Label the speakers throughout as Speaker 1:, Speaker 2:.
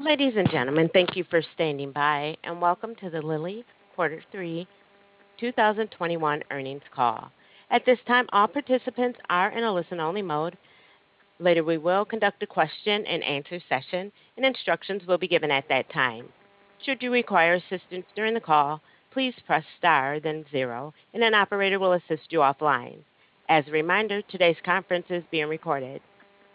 Speaker 1: Ladies and gentlemen, thank you for standing by, and welcome to the Lilly's Quarter Three 2021 Earnings Call. At this time, all participants are in a listen-only mode. Later, we will conduct a question-and-answer session, and instructions will be given at that time. Should you require assistance during the call, please press star then zero, and an operator will assist you offline. As a reminder, today's conference is being recorded.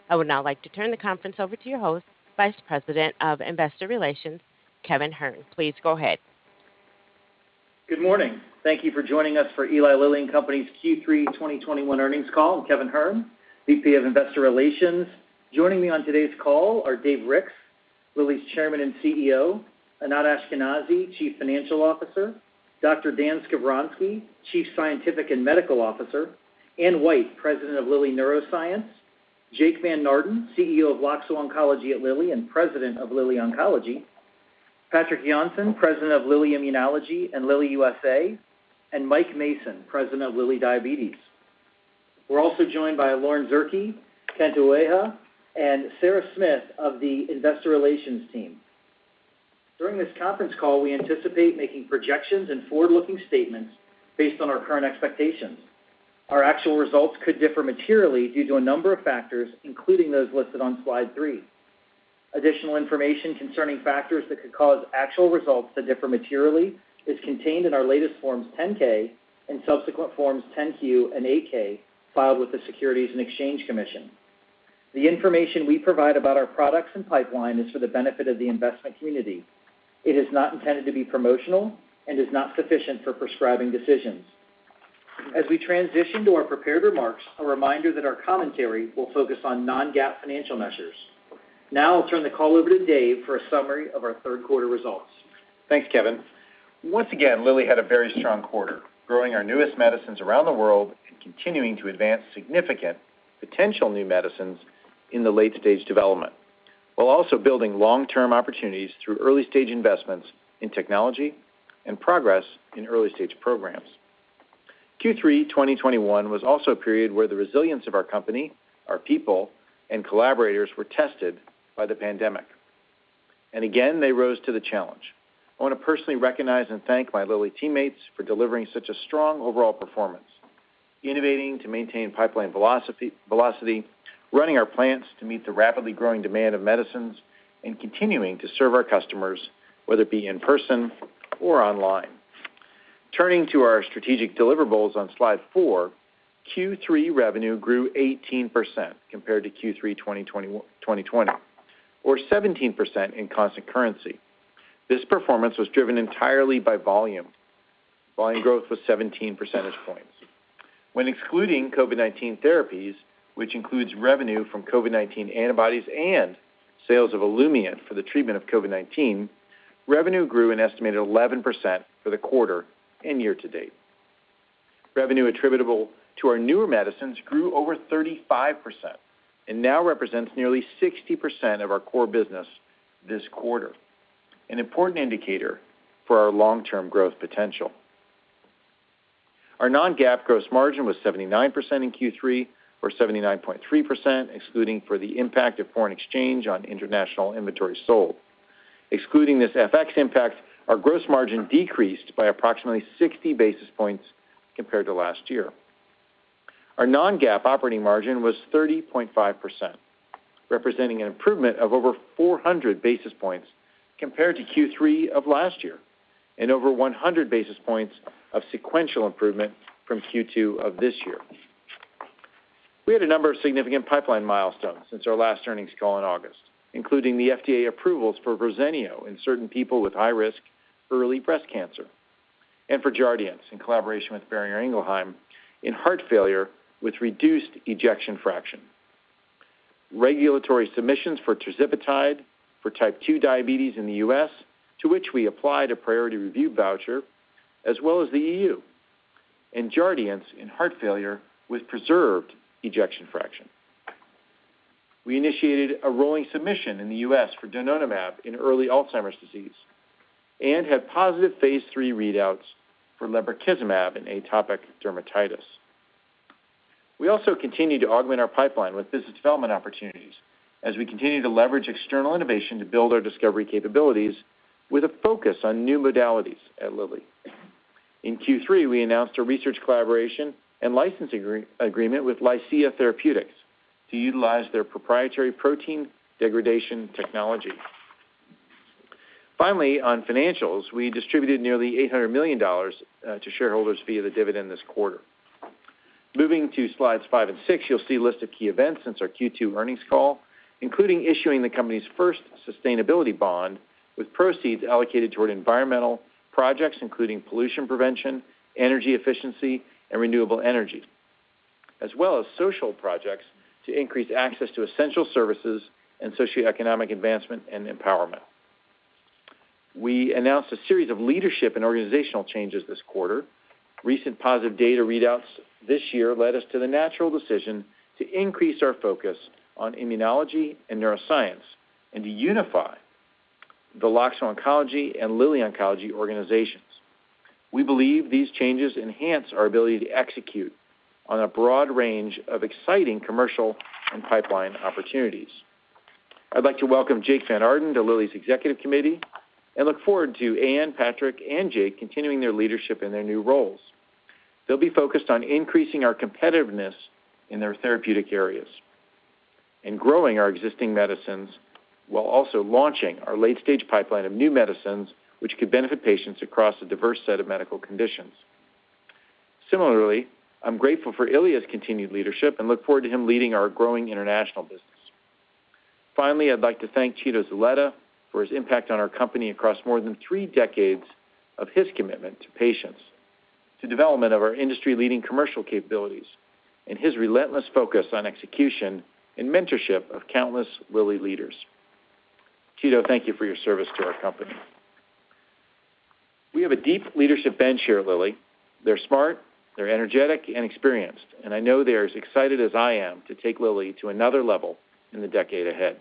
Speaker 1: I would now like to turn the conference over to your host, Vice President of Investor Relations, Kevin Hern. Please go ahead.
Speaker 2: Good morning. Thank you for joining us for Eli Lilly and Company's Q3 2021 Earnings Call. I'm Kevin Hern, VP of Investor Relations. Joining me on today's call are Dave Ricks, Lilly's Chairman and CEO, Anat Ashkenazi, Chief Financial Officer, Dr. Dan Skovronsky, Chief Scientific and Medical Officer, Anne White, President of Lilly Neuroscience, Jake Van Naarden, CEO of Loxo Oncology at Lilly and President of Lilly Oncology, Patrik Jonsson, President of Lilly Immunology and Lilly USA, and Mike Mason, President of Lilly Diabetes. We're also joined by Lauren Zierke, Kento Ueha, and Sara Smith of the Investor Relations team. During this conference call, we anticipate making projections and forward-looking statements based on our current expectations. Our actual results could differ materially due to a number of factors, including those listed on slide three. Additional information concerning factors that could cause actual results to differ materially is contained in our latest Form 10-K and subsequent Form 10-Q and 8-K filed with the Securities and Exchange Commission. The information we provide about our products and pipeline is for the benefit of the investment community. It is not intended to be promotional and is not sufficient for prescribing decisions. As we transition to our prepared remarks, a reminder that our commentary will focus on non-GAAP financial measures. Now I'll turn the call over to Dave for a summary of our third quarter results.
Speaker 3: Thanks, Kevin. Once again, Lilly had a very strong quarter, growing our newest medicines around the world and continuing to advance significant potential new medicines in the late-stage development, while also building long-term opportunities through early-stage investments in technology and progress in early-stage programs. Q3 2021 was also a period where the resilience of our company, our people, and collaborators were tested by the pandemic. They rose to the challenge. I wanna personally recognize and thank my Lilly teammates for delivering such a strong overall performance, innovating to maintain pipeline velocity, running our plants to meet the rapidly growing demand of medicines, and continuing to serve our customers, whether it be in person or online. Turning to our strategic deliverables on slide four, Q3 revenue grew 18% compared to Q3 2020 or 17% in constant currency. This performance was driven entirely by volume. Volume growth was 17 percentage points. When excluding COVID-19 therapies, which includes revenue from COVID-19 antibodies and sales of Olumiant for the treatment of COVID-19, revenue grew an estimated 11% for the quarter and year to date. Revenue attributable to our newer medicines grew over 35% and now represents nearly 60% of our core business this quarter, an important indicator for our long-term growth potential. Our non-GAAP gross margin was 79% in Q3 or 79.3%, excluding for the impact of foreign exchange on international inventory sold. Excluding this FX impact, our gross margin decreased by approximately 60 basis points compared to last year. Our non-GAAP operating margin was 30.5%, representing an improvement of over 400 basis points compared to Q3 of last year and over 100 basis points of sequential improvement from Q2 of this year. We had a number of significant pipeline milestones since our last earnings call in August, including the FDA approvals for Verzenio in certain people with high risk early breast cancer and for Jardiance, in collaboration with Boehringer Ingelheim, in heart failure with reduced ejection fraction. Regulatory submissions for tirzepatide for type 2 diabetes in the U.S., to which we applied a priority review voucher, as well as the EU, and Jardiance in heart failure with preserved ejection fraction. We initiated a rolling submission in the U.S. for donanemab in early Alzheimer's disease and had positive phase III readouts for lebrikizumab in atopic dermatitis. We also continued to augment our pipeline with business development opportunities as we continue to leverage external innovation to build our discovery capabilities with a focus on new modalities at Lilly. In Q3, we announced a research collaboration and licensing agreement with Lycia Therapeutics to utilize their proprietary protein degradation technology. Finally, on financials, we distributed nearly $800 million to shareholders via the dividend this quarter. Moving to slides five and six, you'll see a list of key events since our Q2 earnings call, including issuing the company's first sustainability bond with proceeds allocated toward environmental projects, including pollution prevention, energy efficiency, and renewable energy, as well as social projects to increase access to essential services and socioeconomic advancement and empowerment. We announced a series of leadership and organizational changes this quarter. Recent positive data readouts this year led us to the natural decision to increase our focus on immunology and neuroscience and to unify the Loxo Oncology and Lilly Oncology organizations. We believe these changes enhance our ability to execute on a broad range of exciting commercial and pipeline opportunities. I'd like to welcome Jake Van Naarden to Lilly's executive committee and look forward to Anne, Patrik, and Jake continuing their leadership in their new roles. They'll be focused on increasing our competitiveness in their therapeutic areas and growing our existing medicines while also launching our late-stage pipeline of new medicines, which could benefit patients across a diverse set of medical conditions. Similarly, I'm grateful for Ilya's continued leadership and look forward to him leading our growing international business. Finally, I'd like to thank Chito Zulueta for his impact on our company across more than three decades of his commitment to patients, to development of our industry-leading commercial capabilities, and his relentless focus on execution and mentorship of countless Lilly leaders. Chito, thank you for your service to our company. We have a deep leadership bench here at Lilly. They're smart, they're energetic, and experienced, and I know they are as excited as I am to take Lilly to another level in the decade ahead.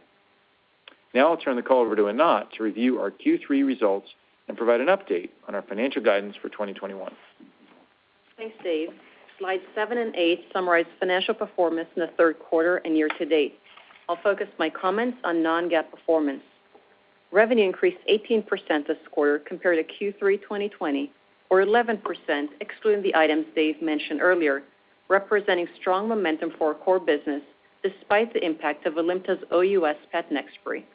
Speaker 3: Now I'll turn the call over to Anat to review our Q3 results and provide an update on our financial guidance for 2021.
Speaker 4: Thanks, Dave. Slides seven and eight summarize financial performance in the third quarter and year-to-date. I'll focus my comments on non-GAAP performance. Revenue increased 18% this quarter compared to Q3 2020, or 11% excluding the items Dave mentioned earlier, representing strong momentum for our core business despite the impact of Alimta's OUS patent expiry.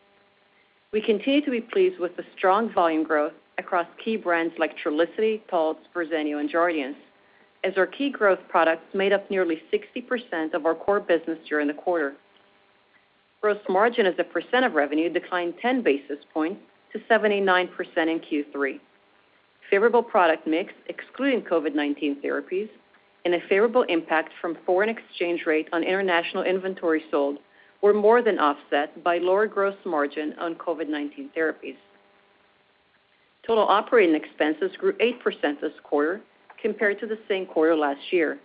Speaker 4: We continue to be pleased with the strong volume growth across key brands like Trulicity, Taltz, Verzenio, and Jardiance, as our key growth products made up nearly 60% of our core business during the quarter. Gross margin as a percent of revenue declined 10 basis points to 79% in Q3. Favorable product mix, excluding COVID-19 therapies, and a favorable impact from foreign exchange rate on international inventory sold were more than offset by lower gross margin on COVID-19 therapies. Total operating expenses grew 8% this quarter compared to the same quarter last year.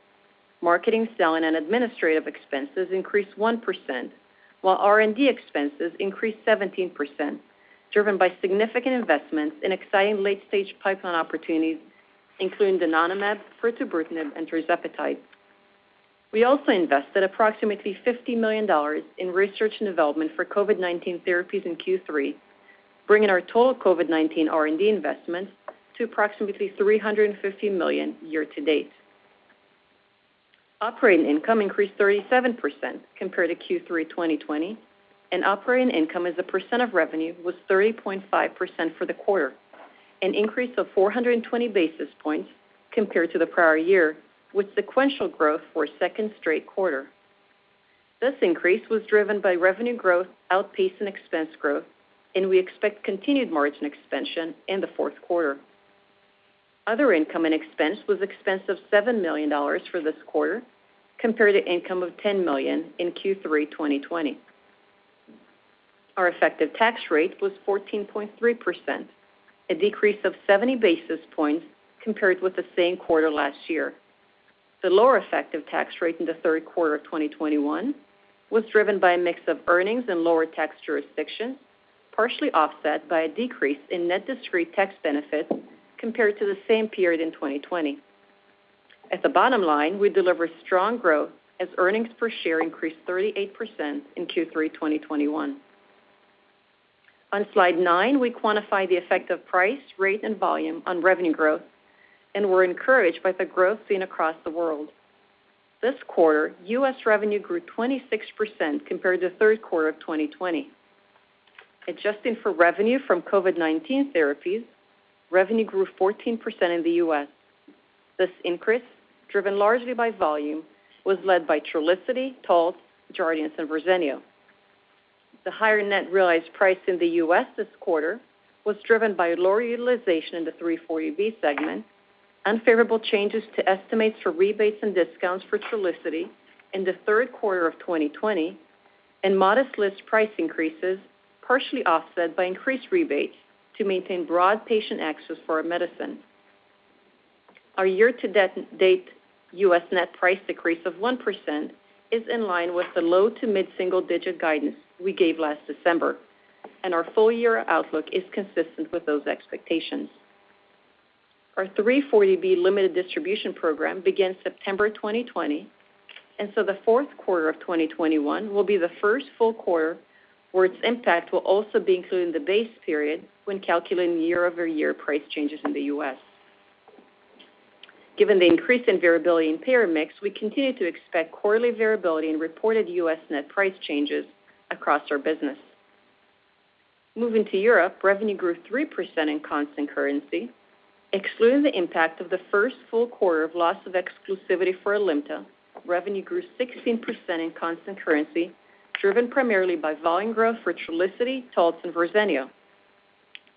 Speaker 4: Marketing, selling, and administrative expenses increased 1%, while R&D expenses increased 17%, driven by significant investments in exciting late-stage pipeline opportunities, including donanemab, pirtobrutinib, and tirzepatide. We also invested approximately $50 million in research and development for COVID-19 therapies in Q3, bringing our total COVID-19 R&D investments to approximately $350 million year-to-date. Operating income increased 37% compared to Q3 2020, and operating income as a percent of revenue was 30.5% for the quarter, an increase of 420 basis points compared to the prior year, with sequential growth for a second straight quarter. This increase was driven by revenue growth outpacing expense growth, and we expect continued margin expansion in the fourth quarter. Other income and expense was expense of $7 million for this quarter compared to income of $10 million in Q3 2020. Our effective tax rate was 14.3%, a decrease of 70 basis points compared with the same quarter last year. The lower effective tax rate in the third quarter of 2021 was driven by a mix of earnings in lower tax jurisdictions, partially offset by a decrease in net discrete tax benefits compared to the same period in 2020. At the bottom line, we delivered strong growth as earnings per share increased 38% in Q3 2021. On slide nine, we quantify the effect of price, rate, and volume on revenue growth, and we're encouraged by the growth seen across the world. This quarter, U.S. revenue grew 26% compared to the third quarter of 2020. Adjusting for revenue from COVID-19 therapies, revenue grew 14% in the U.S. This increase, driven largely by volume, was led by Trulicity, Taltz, Jardiance, and Verzenio. The higher net realized price in the U.S. this quarter was driven by lower utilization in the 340B segment, unfavorable changes to estimates for rebates and discounts for Trulicity in the third quarter of 2020, and modest list price increases, partially offset by increased rebates to maintain broad patient access for our medicine. Our year-to-date U.S. net price decrease of 1% is in line with the low to mid single-digit guidance we gave last December, and our full-year outlook is consistent with those expectations. Our 340B limited distribution program began September 2020, and the fourth quarter of 2021 will be the first full quarter where its impact will also be included in the base period when calculating year-over-year price changes in the U.S. Given the increase in variability in payer mix, we continue to expect quarterly variability in reported U.S. net price changes across our business. Moving to Europe, revenue grew 3% in constant currency. Excluding the impact of the first full quarter of loss of exclusivity for Alimta, revenue grew 16% in constant currency, driven primarily by volume growth for Trulicity, Taltz, and Verzenio.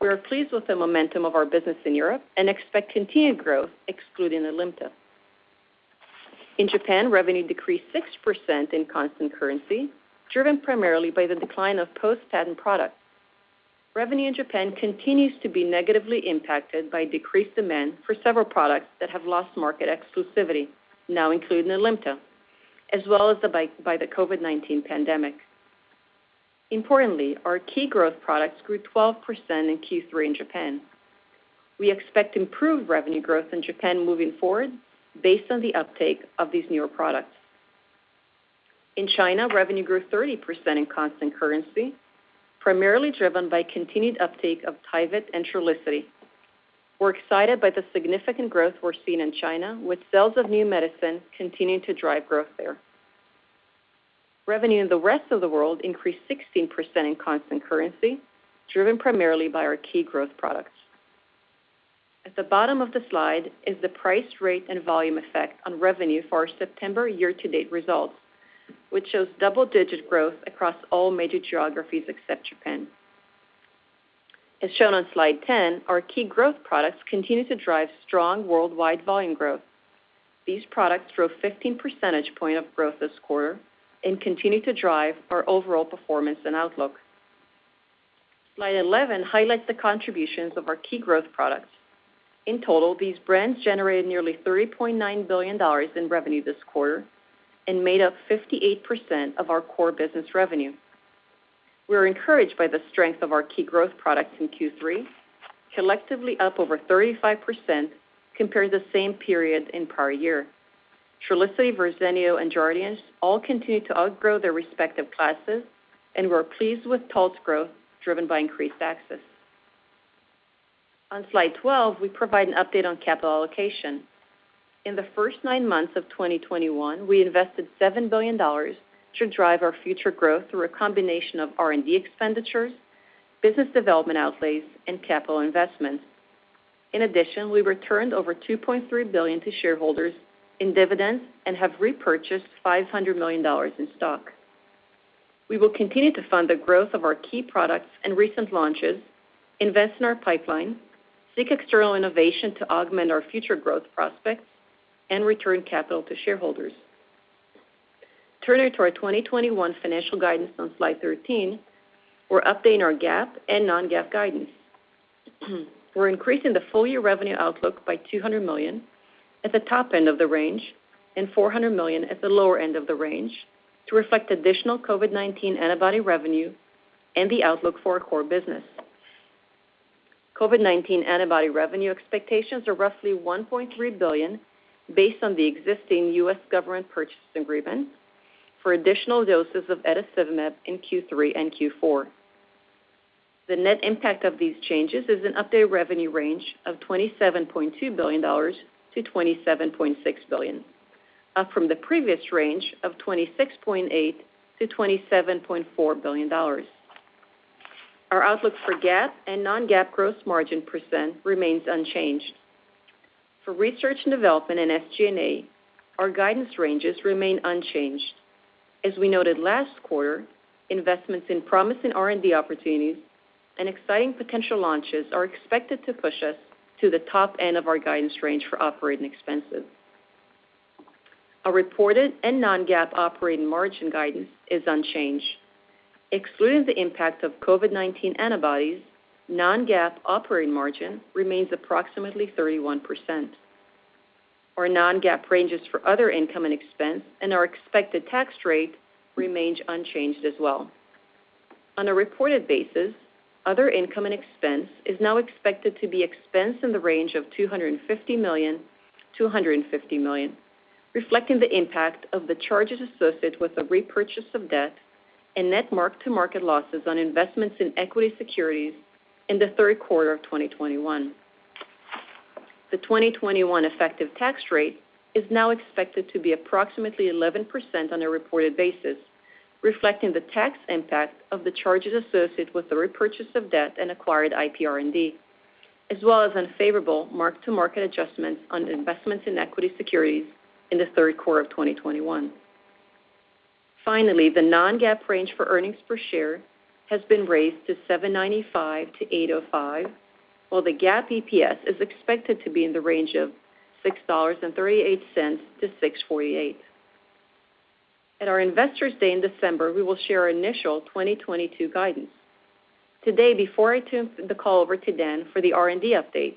Speaker 4: We are pleased with the momentum of our business in Europe and expect continued growth excluding Alimta. In Japan, revenue decreased 6% in constant currency, driven primarily by the decline of post-patent products. Revenue in Japan continues to be negatively impacted by decreased demand for several products that have lost market exclusivity, now including Alimta, as well as by the COVID-19 pandemic. Importantly, our key growth products grew 12% in Q3 in Japan. We expect improved revenue growth in Japan moving forward based on the uptake of these newer products. In China, revenue grew 30% in constant currency, primarily driven by continued uptake of Tyvyt and Trulicity. We're excited by the significant growth we're seeing in China, with sales of new medicine continuing to drive growth there. Revenue in the rest of the world increased 16% in constant currency, driven primarily by our key growth products. At the bottom of the slide is the price, rate, and volume effect on revenue for our September year-to-date results, which shows double-digit growth across all major geographies except Japan. As shown on slide 10, our key growth products continue to drive strong worldwide volume growth. These products drove 15 percentage point of growth this quarter and continue to drive our overall performance and outlook. Slide 11 highlights the contributions of our key growth products. In total, these brands generated nearly $30.9 billion in revenue this quarter and made up 58% of our core business revenue. We are encouraged by the strength of our key growth products in Q3, collectively up over 35% compared to the same period in prior year. Trulicity, Verzenio, and Jardiance all continue to outgrow their respective classes, and we're pleased with plus growth driven by increased access. On slide 12, we provide an update on capital allocation. In the first nine months of 2021, we invested $7 billion to drive our future growth through a combination of R&D expenditures, business development outlays, and capital investments. In addition, we returned over $2.3 billion to shareholders in dividends and have repurchased $500 million in stock. We will continue to fund the growth of our key products and recent launches, invest in our pipeline, seek external innovation to augment our future growth prospects, and return capital to shareholders. Turning to our 2021 financial guidance on slide 13, we're updating our GAAP and non-GAAP guidance. We're increasing the full-year revenue outlook by $200 million at the top end of the range and $400 million at the lower end of the range to reflect additional COVID-19 antibody revenue and the outlook for our core business. COVID-19 antibody revenue expectations are roughly $1.3 billion based on the existing U.S. government purchasing agreement for additional doses of etesevimab in Q3 and Q4. The net impact of these changes is an updated revenue range of $27.2 billion-$27.6 billion, up from the previous range of $26.8 billion-$27.4 billion. Our outlook for GAAP and non-GAAP gross margin percent remains unchanged. For research and development and SG&A, our guidance ranges remain unchanged. As we noted last quarter, investments in promising R&D opportunities and exciting potential launches are expected to push us to the top end of our guidance range for operating expenses. Our reported and non-GAAP operating margin guidance is unchanged. Excluding the impact of COVID-19 antibodies, non-GAAP operating margin remains approximately 31%. Our non-GAAP ranges for other income and expense and our expected tax rate remains unchanged as well. On a reported basis, other income and expense is now expected to be expense in the range of $250 million-$150 million, reflecting the impact of the charges associated with the repurchase of debt and net mark-to-market losses on investments in equity securities in the third quarter of 2021. The 2021 effective tax rate is now expected to be approximately 11% on a reported basis, reflecting the tax impact of the charges associated with the repurchase of debt and acquired IPR&D, as well as unfavorable mark-to-market adjustments on investments in equity securities in the third quarter of 2021. Finally, the non-GAAP range for earnings per share has been raised to $7.95-$8.05, while the GAAP EPS is expected to be in the range of $6.38-$6.48. At our Investor Day in December, we will share our initial 2022 guidance. Today, before I turn the call over to Dan for the R&D update,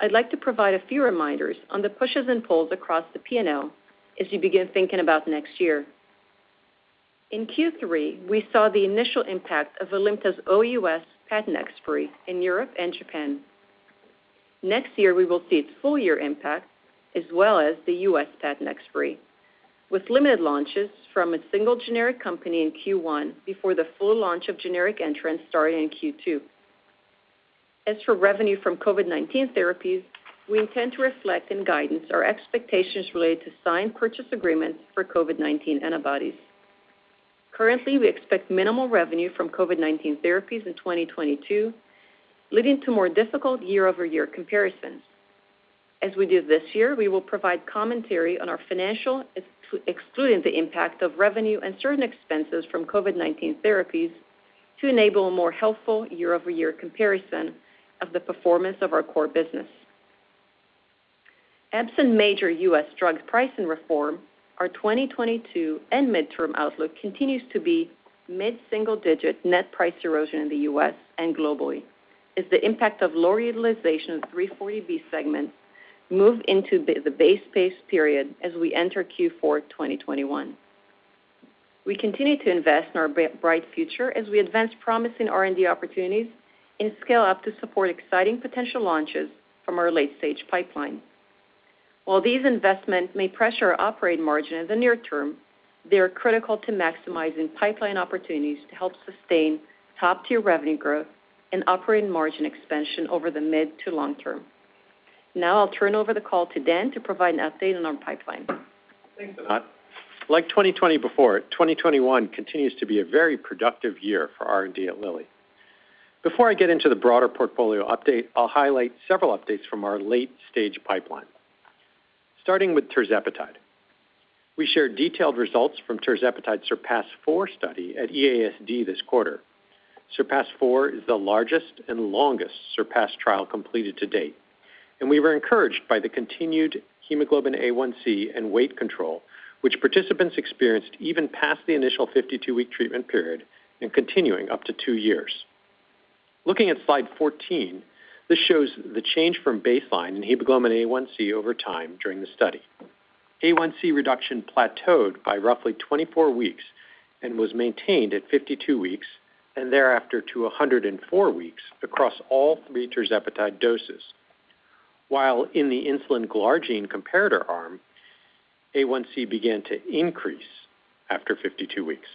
Speaker 4: I'd like to provide a few reminders on the pushes and pulls across the P&L as you begin thinking about next year. In Q3, we saw the initial impact of Alimta's OUS patent expiry in Europe and Japan. Next year, we will see its full-year impact as well as the U.S. patent expiry, with limited launches from a single generic company in Q1 before the full launch of generic entrants starting in Q2. As for revenue from COVID-19 therapies, we intend to reflect in guidance our expectations related to signed purchase agreements for COVID-19 antibodies. Currently, we expect minimal revenue from COVID-19 therapies in 2022, leading to more difficult year-over-year comparisons. As we did this year, we will provide commentary on our financials excluding the impact of revenue and certain expenses from COVID-19 therapies to enable a more helpful year-over-year comparison of the performance of our core business. Absent major U.S. drug pricing reform, our 2022 and midterm outlook continues to be mid-single-digit net price erosion in the U.S. and globally. This impact of low utilization of 340B segments moves into the base case period as we enter Q4 2021. We continue to invest in our bright future as we advance promising R&D opportunities and scale up to support exciting potential launches from our late-stage pipeline. While these investments may pressure operating margin in the near term, they are critical to maximizing pipeline opportunities to help sustain top-tier revenue growth and operating margin expansion over the mid- to long-term. Now I'll turn over the call to Dan to provide an update on our pipeline.
Speaker 5: Thanks, Anat. Like 2020 before, 2021 continues to be a very productive year for R&D at Lilly. Before I get into the broader portfolio update, I'll highlight several updates from our late-stage pipeline, starting with tirzepatide. We shared detailed results from tirzepatide SURPASS-4 study at EASD this quarter. SURPASS-4 is the largest and longest SURPASS trial completed to date, and we were encouraged by the continued Hemoglobin A1c and weight control which participants experienced even past the initial 52-week treatment period and continuing up to two years. Looking at slide 14, this shows the change from baseline in Hemoglobin A1c over time during the study. A1c reduction plateaued by roughly 24 weeks and was maintained at 52 weeks, and thereafter to 104 weeks across all three tirzepatide doses. While in the insulin glargine comparator arm, A1c began to increase after 52 weeks.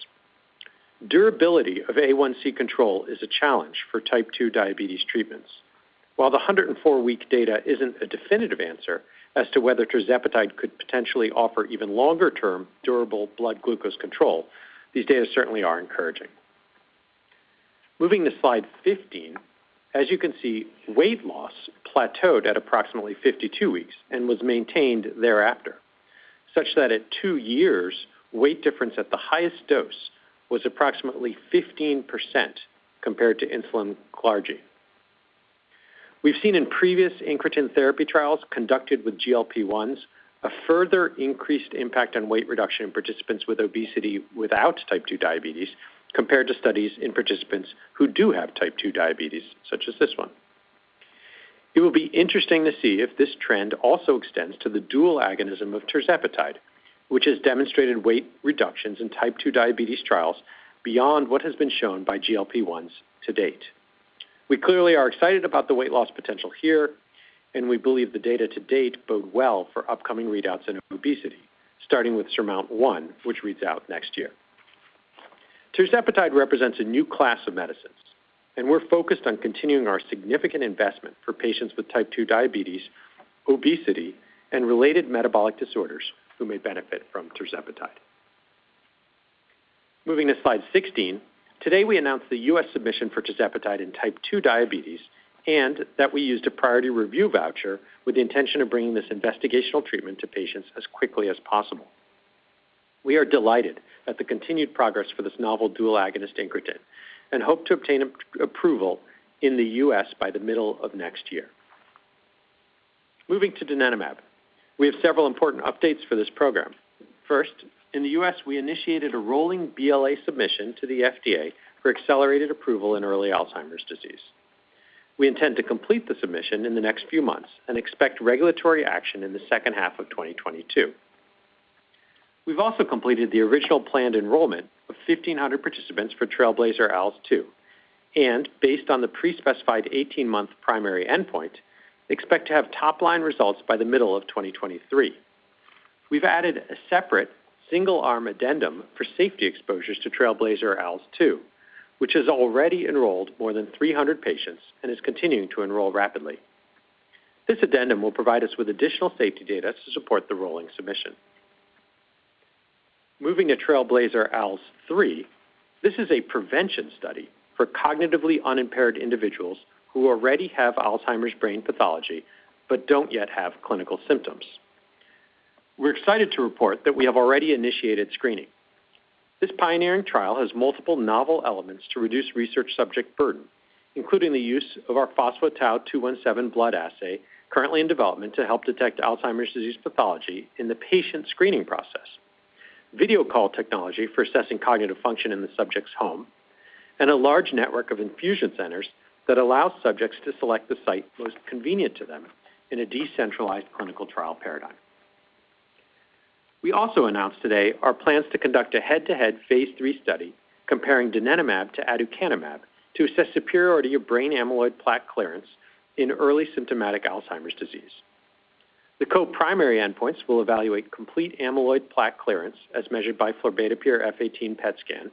Speaker 5: Durability of A1c control is a challenge for type 2 diabetes treatments. While the 104-week data isn't a definitive answer as to whether tirzepatide could potentially offer even longer-term durable blood glucose control, these data certainly are encouraging. Moving to slide 15, as you can see, weight loss plateaued at approximately 52 weeks and was maintained thereafter, such that at two years, weight difference at the highest dose was approximately 15% compared to insulin glargine. We've seen in previous incretin therapy trials conducted with GLP-1s a further increased impact on weight reduction in participants with obesity without type 2 diabetes, compared to studies in participants who do have type 2 diabetes, such as this one. It will be interesting to see if this trend also extends to the dual agonism of tirzepatide, which has demonstrated weight reductions in type 2 diabetes trials beyond what has been shown by GLP-1s to date. We clearly are excited about the weight loss potential here, and we believe the data to date bode well for upcoming readouts in obesity, starting with SURMOUNT-1, which reads out next year. Tirzepatide represents a new class of medicines, and we're focused on continuing our significant investment for patients with type 2 diabetes, obesity, and related metabolic disorders who may benefit from tirzepatide. Moving to slide 16, today we announced the U.S. submission for tirzepatide in type 2 diabetes, and that we used a priority review voucher with the intention of bringing this investigational treatment to patients as quickly as possible. We are delighted at the continued progress for this novel dual agonist incretin and hope to obtain approval in the U.S. by the middle of next year. Moving to donanemab, we have several important updates for this program. First, in the U.S., we initiated a rolling BLA submission to the FDA for accelerated approval in early Alzheimer's disease. We intend to complete the submission in the next few months and expect regulatory action in the second half of 2022. We've also completed the original planned enrollment of 1,500 participants for TRAILBLAZER-ALZ 2, and based on the pre-specified 18-month primary endpoint, expect to have top-line results by the middle of 2023. We've added a separate single-arm addendum for safety exposures to TRAILBLAZER-ALZ 2, which has already enrolled more than 300 patients and is continuing to enroll rapidly. This addendum will provide us with additional safety data to support the rolling submission. Moving to TRAILBLAZER-ALZ 3, this is a prevention study for cognitively unimpaired individuals who already have Alzheimer's brain pathology but don't yet have clinical symptoms. We're excited to report that we have already initiated screening. This pioneering trial has multiple novel elements to reduce research subject burden, including the use of our phospho-tau217 blood assay, currently in development to help detect Alzheimer's disease pathology in the patient screening process, video call technology for assessing cognitive function in the subject's home, and a large network of infusion centers that allow subjects to select the site most convenient to them in a decentralized clinical trial paradigm. We also announced today our plans to conduct a head-to-head phase III study comparing donanemab to aducanumab to assess superiority of brain amyloid plaque clearance in early symptomatic Alzheimer's disease. The co-primary endpoints will evaluate complete amyloid plaque clearance as measured by florbetapir F 18 PET scan,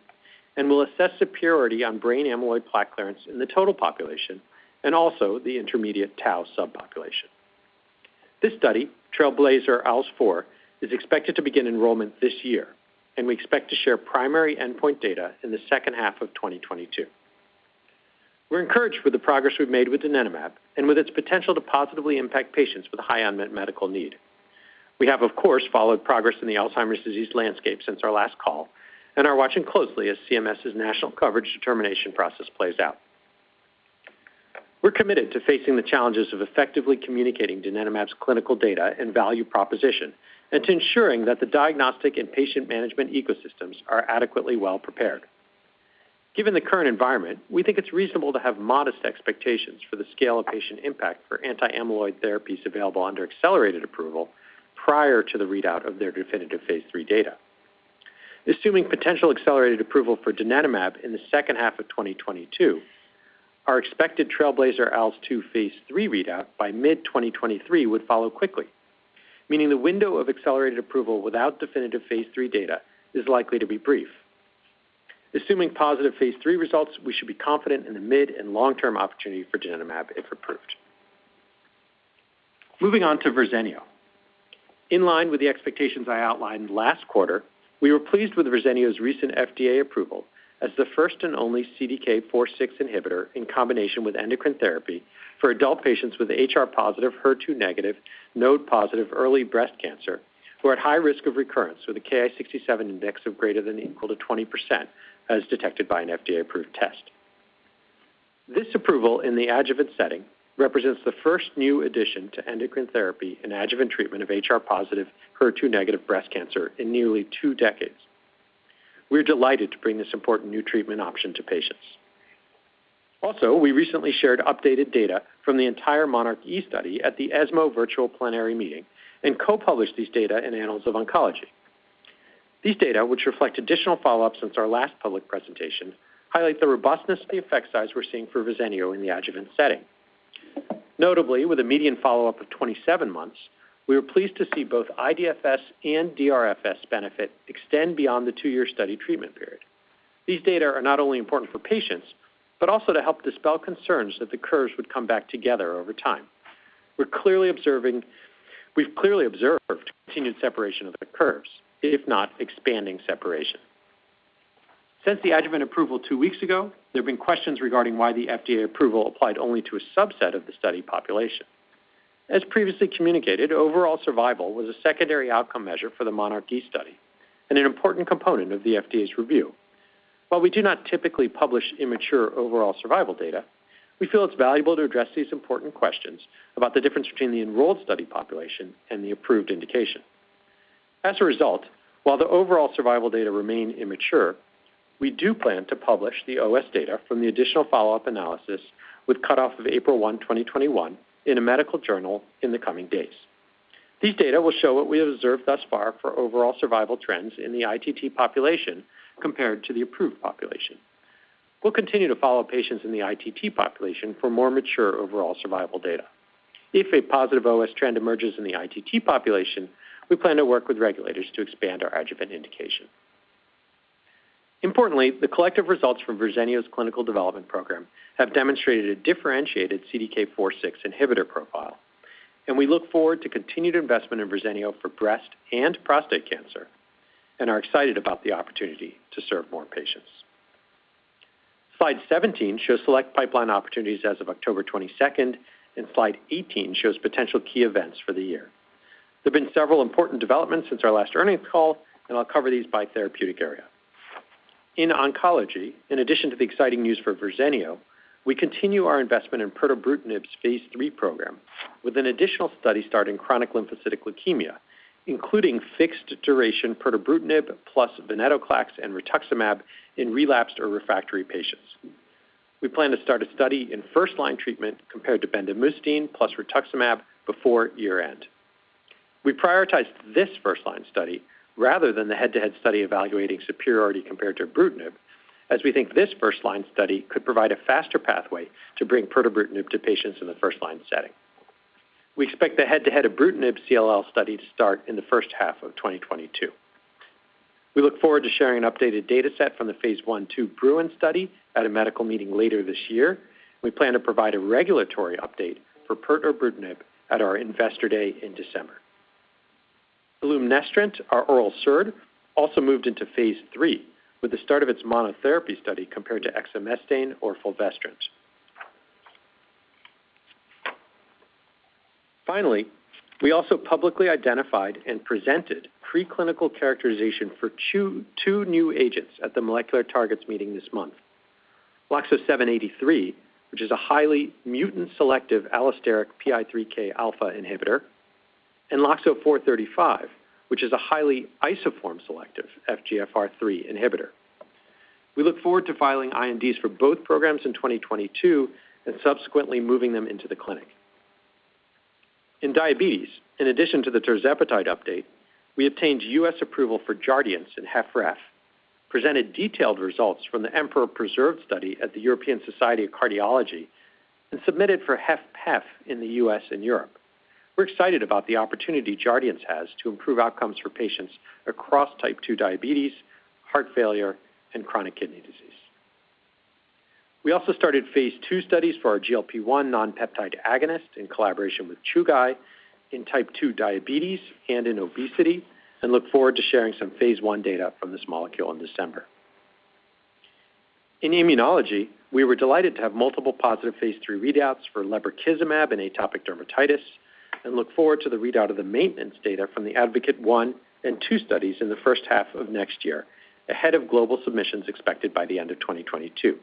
Speaker 5: and will assess superiority on brain amyloid plaque clearance in the total population and also the intermediate tau subpopulation. This study, TRAILBLAZER-ALZ 4, is expected to begin enrollment this year, and we expect to share primary endpoint data in the second half of 2022. We're encouraged with the progress we've made with donanemab and with its potential to positively impact patients with a high unmet medical need. We have of course followed progress in the Alzheimer's disease landscape since our last call and are watching closely as CMS's national coverage determination process plays out. We're committed to facing the challenges of effectively communicating donanemab's clinical data and value proposition, and to ensuring that the diagnostic and patient management ecosystems are adequately well prepared. Given the current environment, we think it's reasonable to have modest expectations for the scale of patient impact for anti-amyloid therapies available under accelerated approval prior to the readout of their definitive phase III data. Assuming potential accelerated approval for donanemab in the second half of 2022, our expected TRAILBLAZER-ALZ 2 phase III readout by mid-2023 would follow quickly, meaning the window of accelerated approval without definitive phase III data is likely to be brief. Assuming positive phase III results, we should be confident in the mid and long-term opportunity for donanemab if approved. Moving on to Verzenio. In line with the expectations I outlined last quarter, we were pleased with Verzenio's recent FDA approval as the first and only CDK4/6 inhibitor in combination with endocrine therapy for adult patients with HR-positive, HER2-negative, node-positive early breast cancer who are at high risk of recurrence, with a Ki-67 index of greater and equal to 20% as detected by an FDA-approved test. This approval in the adjuvant setting represents the first new addition to endocrine therapy in adjuvant treatment of HR-positive, HER2-negative breast cancer in nearly two decades. We're delighted to bring this important new treatment option to patients. Also, we recently shared updated data from the entire monarchE study at the ESMO Virtual Plenary Meeting and co-published these data in Annals of Oncology. These data, which reflect additional follow-up since our last public presentation, highlight the robustness of the effect size we're seeing for Verzenio in the adjuvant setting. Notably, with a median follow-up of 27 months, we were pleased to see both iDFS and DRFS benefit extend beyond the two-year study treatment period. These data are not only important for patients, but also to help dispel concerns that the curves would come back together over time. We've clearly observed continued separation of the curves, if not expanding separation. Since the adjuvant approval two weeks ago, there have been questions regarding why the FDA approval applied only to a subset of the study population. As previously communicated, overall survival was a secondary outcome measure for the monarchE study and an important component of the FDA's review. While we do not typically publish immature overall survival data, we feel it's valuable to address these important questions about the difference between the enrolled study population and the approved indication. As a result, while the overall survival data remain immature, we do plan to publish the OS data from the additional follow-up analysis with cutoff of April 1, 2021 in a medical journal in the coming days. These data will show what we have observed thus far for overall survival trends in the ITT population compared to the approved population. We'll continue to follow patients in the ITT population for more mature overall survival data. If a positive OS trend emerges in the ITT population, we plan to work with regulators to expand our adjuvant indication. Importantly, the collective results from Verzenio's clinical development program have demonstrated a differentiated CDK4/6 inhibitor profile, and we look forward to continued investment in Verzenio for breast and prostate cancer and are excited about the opportunity to serve more patients. Slide 17 shows select pipeline opportunities as of October 22nd, and slide 18 shows potential key events for the year. There have been several important developments since our last earnings call, and I'll cover these by therapeutic area. In oncology, in addition to the exciting news for Verzenio, we continue our investment in pirtobrutinib's phase III program with an additional study start in chronic lymphocytic leukemia, including fixed-duration pirtobrutinib plus venetoclax and rituximab in relapsed or refractory patients. We plan to start a study in first-line treatment compared to bendamustine plus rituximab before year-end. We prioritized this first-line study rather than the head-to-head study evaluating superiority compared to ibrutinib, as we think this first-line study could provide a faster pathway to bring pirtobrutinib to patients in the first-line setting. We expect the head-to-head ibrutinib CLL study to start in the first half of 2022. We look forward to sharing an updated data set from the phase I/II BRUIN study at a medical meeting later this year. We plan to provide a regulatory update for pirtobrutinib at our Investor Day in December. Imlunestrant, our oral SERD, also moved into phase III with the start of its monotherapy study compared to exemestane or fulvestrant. Finally, we also publicly identified and presented preclinical characterization for two new agents at the Molecular Targets meeting this month. LOXO-783, which is a highly mutant-selective allosteric PI3K alpha inhibitor, and LOXO-435, which is a highly isoform-selective FGFR3 inhibitor. We look forward to filing INDs for both programs in 2022 and subsequently moving them into the clinic. In diabetes, in addition to the tirzepatide update, we obtained U.S. approval for Jardiance and HFpEF, presented detailed results from the EMPEROR-Preserved study at the European Society of Cardiology, and submitted for HFpEF in the U.S. and Europe. We're excited about the opportunity Jardiance has to improve outcomes for patients across type 2 diabetes, heart failure, and chronic kidney disease. We also started phase II studies for our GLP-1 nonpeptide agonist in collaboration with Chugai in type 2 diabetes and in obesity, and look forward to sharing some phase I data from this molecule in December. In immunology, we were delighted to have multiple positive phase III readouts for lebrikizumab in atopic dermatitis and look forward to the readout of the maintenance data from the ADvocate 1 and 2 studies in the first half of next year, ahead of global submissions expected by the end of 2022.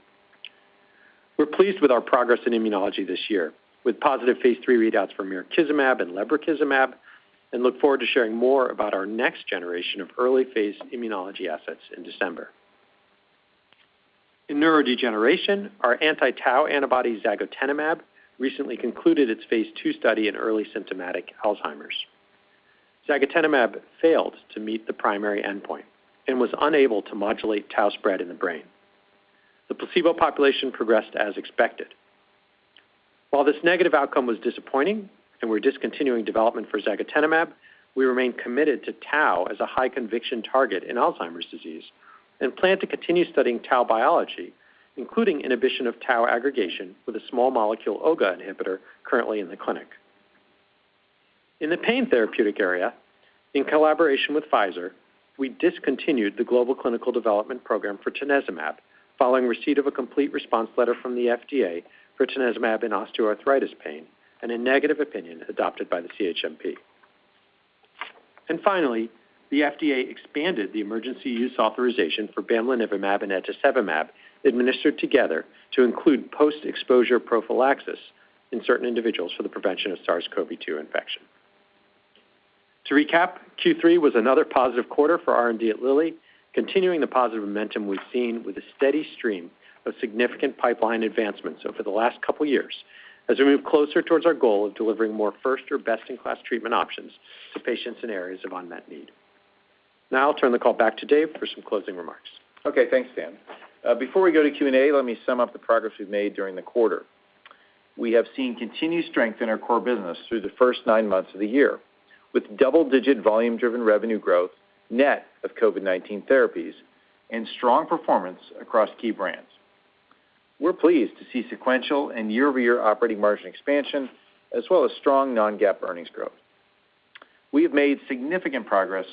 Speaker 5: We're pleased with our progress in immunology this year, with positive phase III readouts for mirikizumab and lebrikizumab, and look forward to sharing more about our next generation of early-phase immunology assets in December. In neurodegeneration, our anti-tau antibody zagotenemab recently concluded its phase II study in early symptomatic Alzheimer's. Zagotenemab failed to meet the primary endpoint and was unable to modulate tau spread in the brain. The placebo population progressed as expected. While this negative outcome was disappointing and we're discontinuing development for zagotenemab, we remain committed to tau as a high conviction target in Alzheimer's disease and plan to continue studying tau biology, including inhibition of tau aggregation with a small molecule OGA inhibitor currently in the clinic. In the pain therapeutic area, in collaboration with Pfizer, we discontinued the global clinical development program for tanezumab following receipt of a complete response letter from the FDA for tanezumab in osteoarthritis pain and a negative opinion adopted by the CHMP. Finally, the FDA expanded the emergency use authorization for bamlanivimab and etesevimab administered together to include post-exposure prophylaxis in certain individuals for the prevention of SARS-CoV-2 infection. To recap, Q3 was another positive quarter for R&D at Lilly, continuing the positive momentum we've seen with a steady stream of significant pipeline advancements over the last couple of years as we move closer toward our goal of delivering more first- or best-in-class treatment options to patients in areas of unmet need. Now I'll turn the call back to Dave for some closing remarks.
Speaker 3: Okay, thanks, Dan. Before we go to Q&A, let me sum up the progress we've made during the quarter. We have seen continued strength in our core business through the first nine months of the year, with double-digit volume-driven revenue growth net of COVID-19 therapies and strong performance across key brands. We're pleased to see sequential and year-over-year operating margin expansion as well as strong non-GAAP earnings growth. We have made significant progress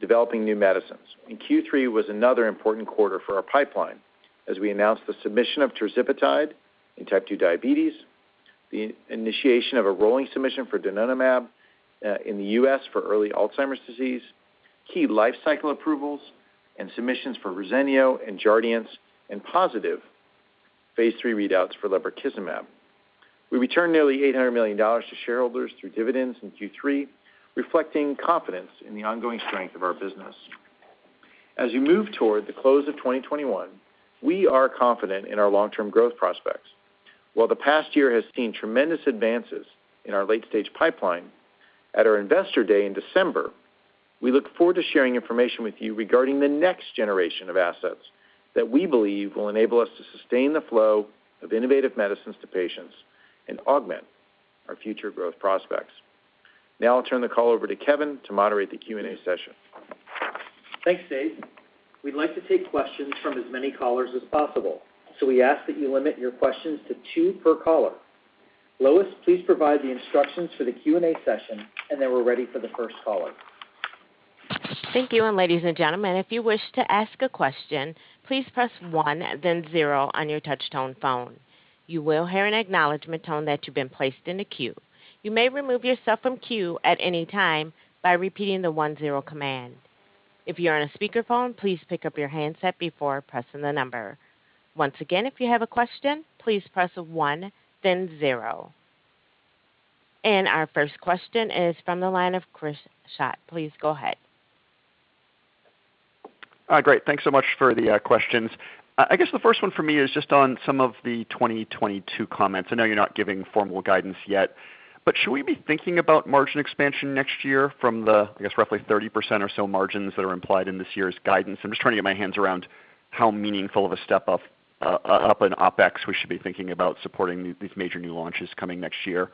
Speaker 3: developing new medicines, and Q3 was another important quarter for our pipeline as we announced the submission of tirzepatide in type 2 diabetes, the initiation of a rolling submission for donanemab in the U.S. for early Alzheimer's disease, key life cycle approvals and submissions for Verzenio and Jardiance and positive phase III readouts for lebrikizumab. We returned nearly $800 million to shareholders through dividends in Q3, reflecting confidence in the ongoing strength of our business. As we move toward the close of 2021, we are confident in our long-term growth prospects. While the past year has seen tremendous advances in our late-stage pipeline, at our Investor Day in December, we look forward to sharing information with you regarding the next generation of assets that we believe will enable us to sustain the flow of innovative medicines to patients and augment our future growth prospects. Now I'll turn the call over to Kevin to moderate the Q&A session.
Speaker 2: Thanks, Dave. We'd like to take questions from as many callers as possible, so we ask that you limit your questions to two per caller. Lois, please provide the instructions for the Q&A session, and then we're ready for the first caller.
Speaker 1: Thank you. Ladies and gentlemen, if you wish to ask a question, please press one, then zero on your touch-tone phone. You will hear an acknowledgment tone that you've been placed in a queue. You may remove yourself from queue at any time by repeating the one-zero command. If you're on a speakerphone, please pick up your handset before pressing the number. Once again, if you have a question, please press one, then zero. Our first question is from the line of Chris Schott. Please go ahead.
Speaker 6: Great. Thanks so much for the questions. I guess the first one for me is just on some of the 2022 comments. I know you're not giving formal guidance yet, but should we be thinking about margin expansion next year from the, I guess, roughly 30% or so margins that are implied in this year's guidance? I'm just trying to get my hands around how meaningful of a step up in OpEx we should be thinking about supporting these major new launches coming next year.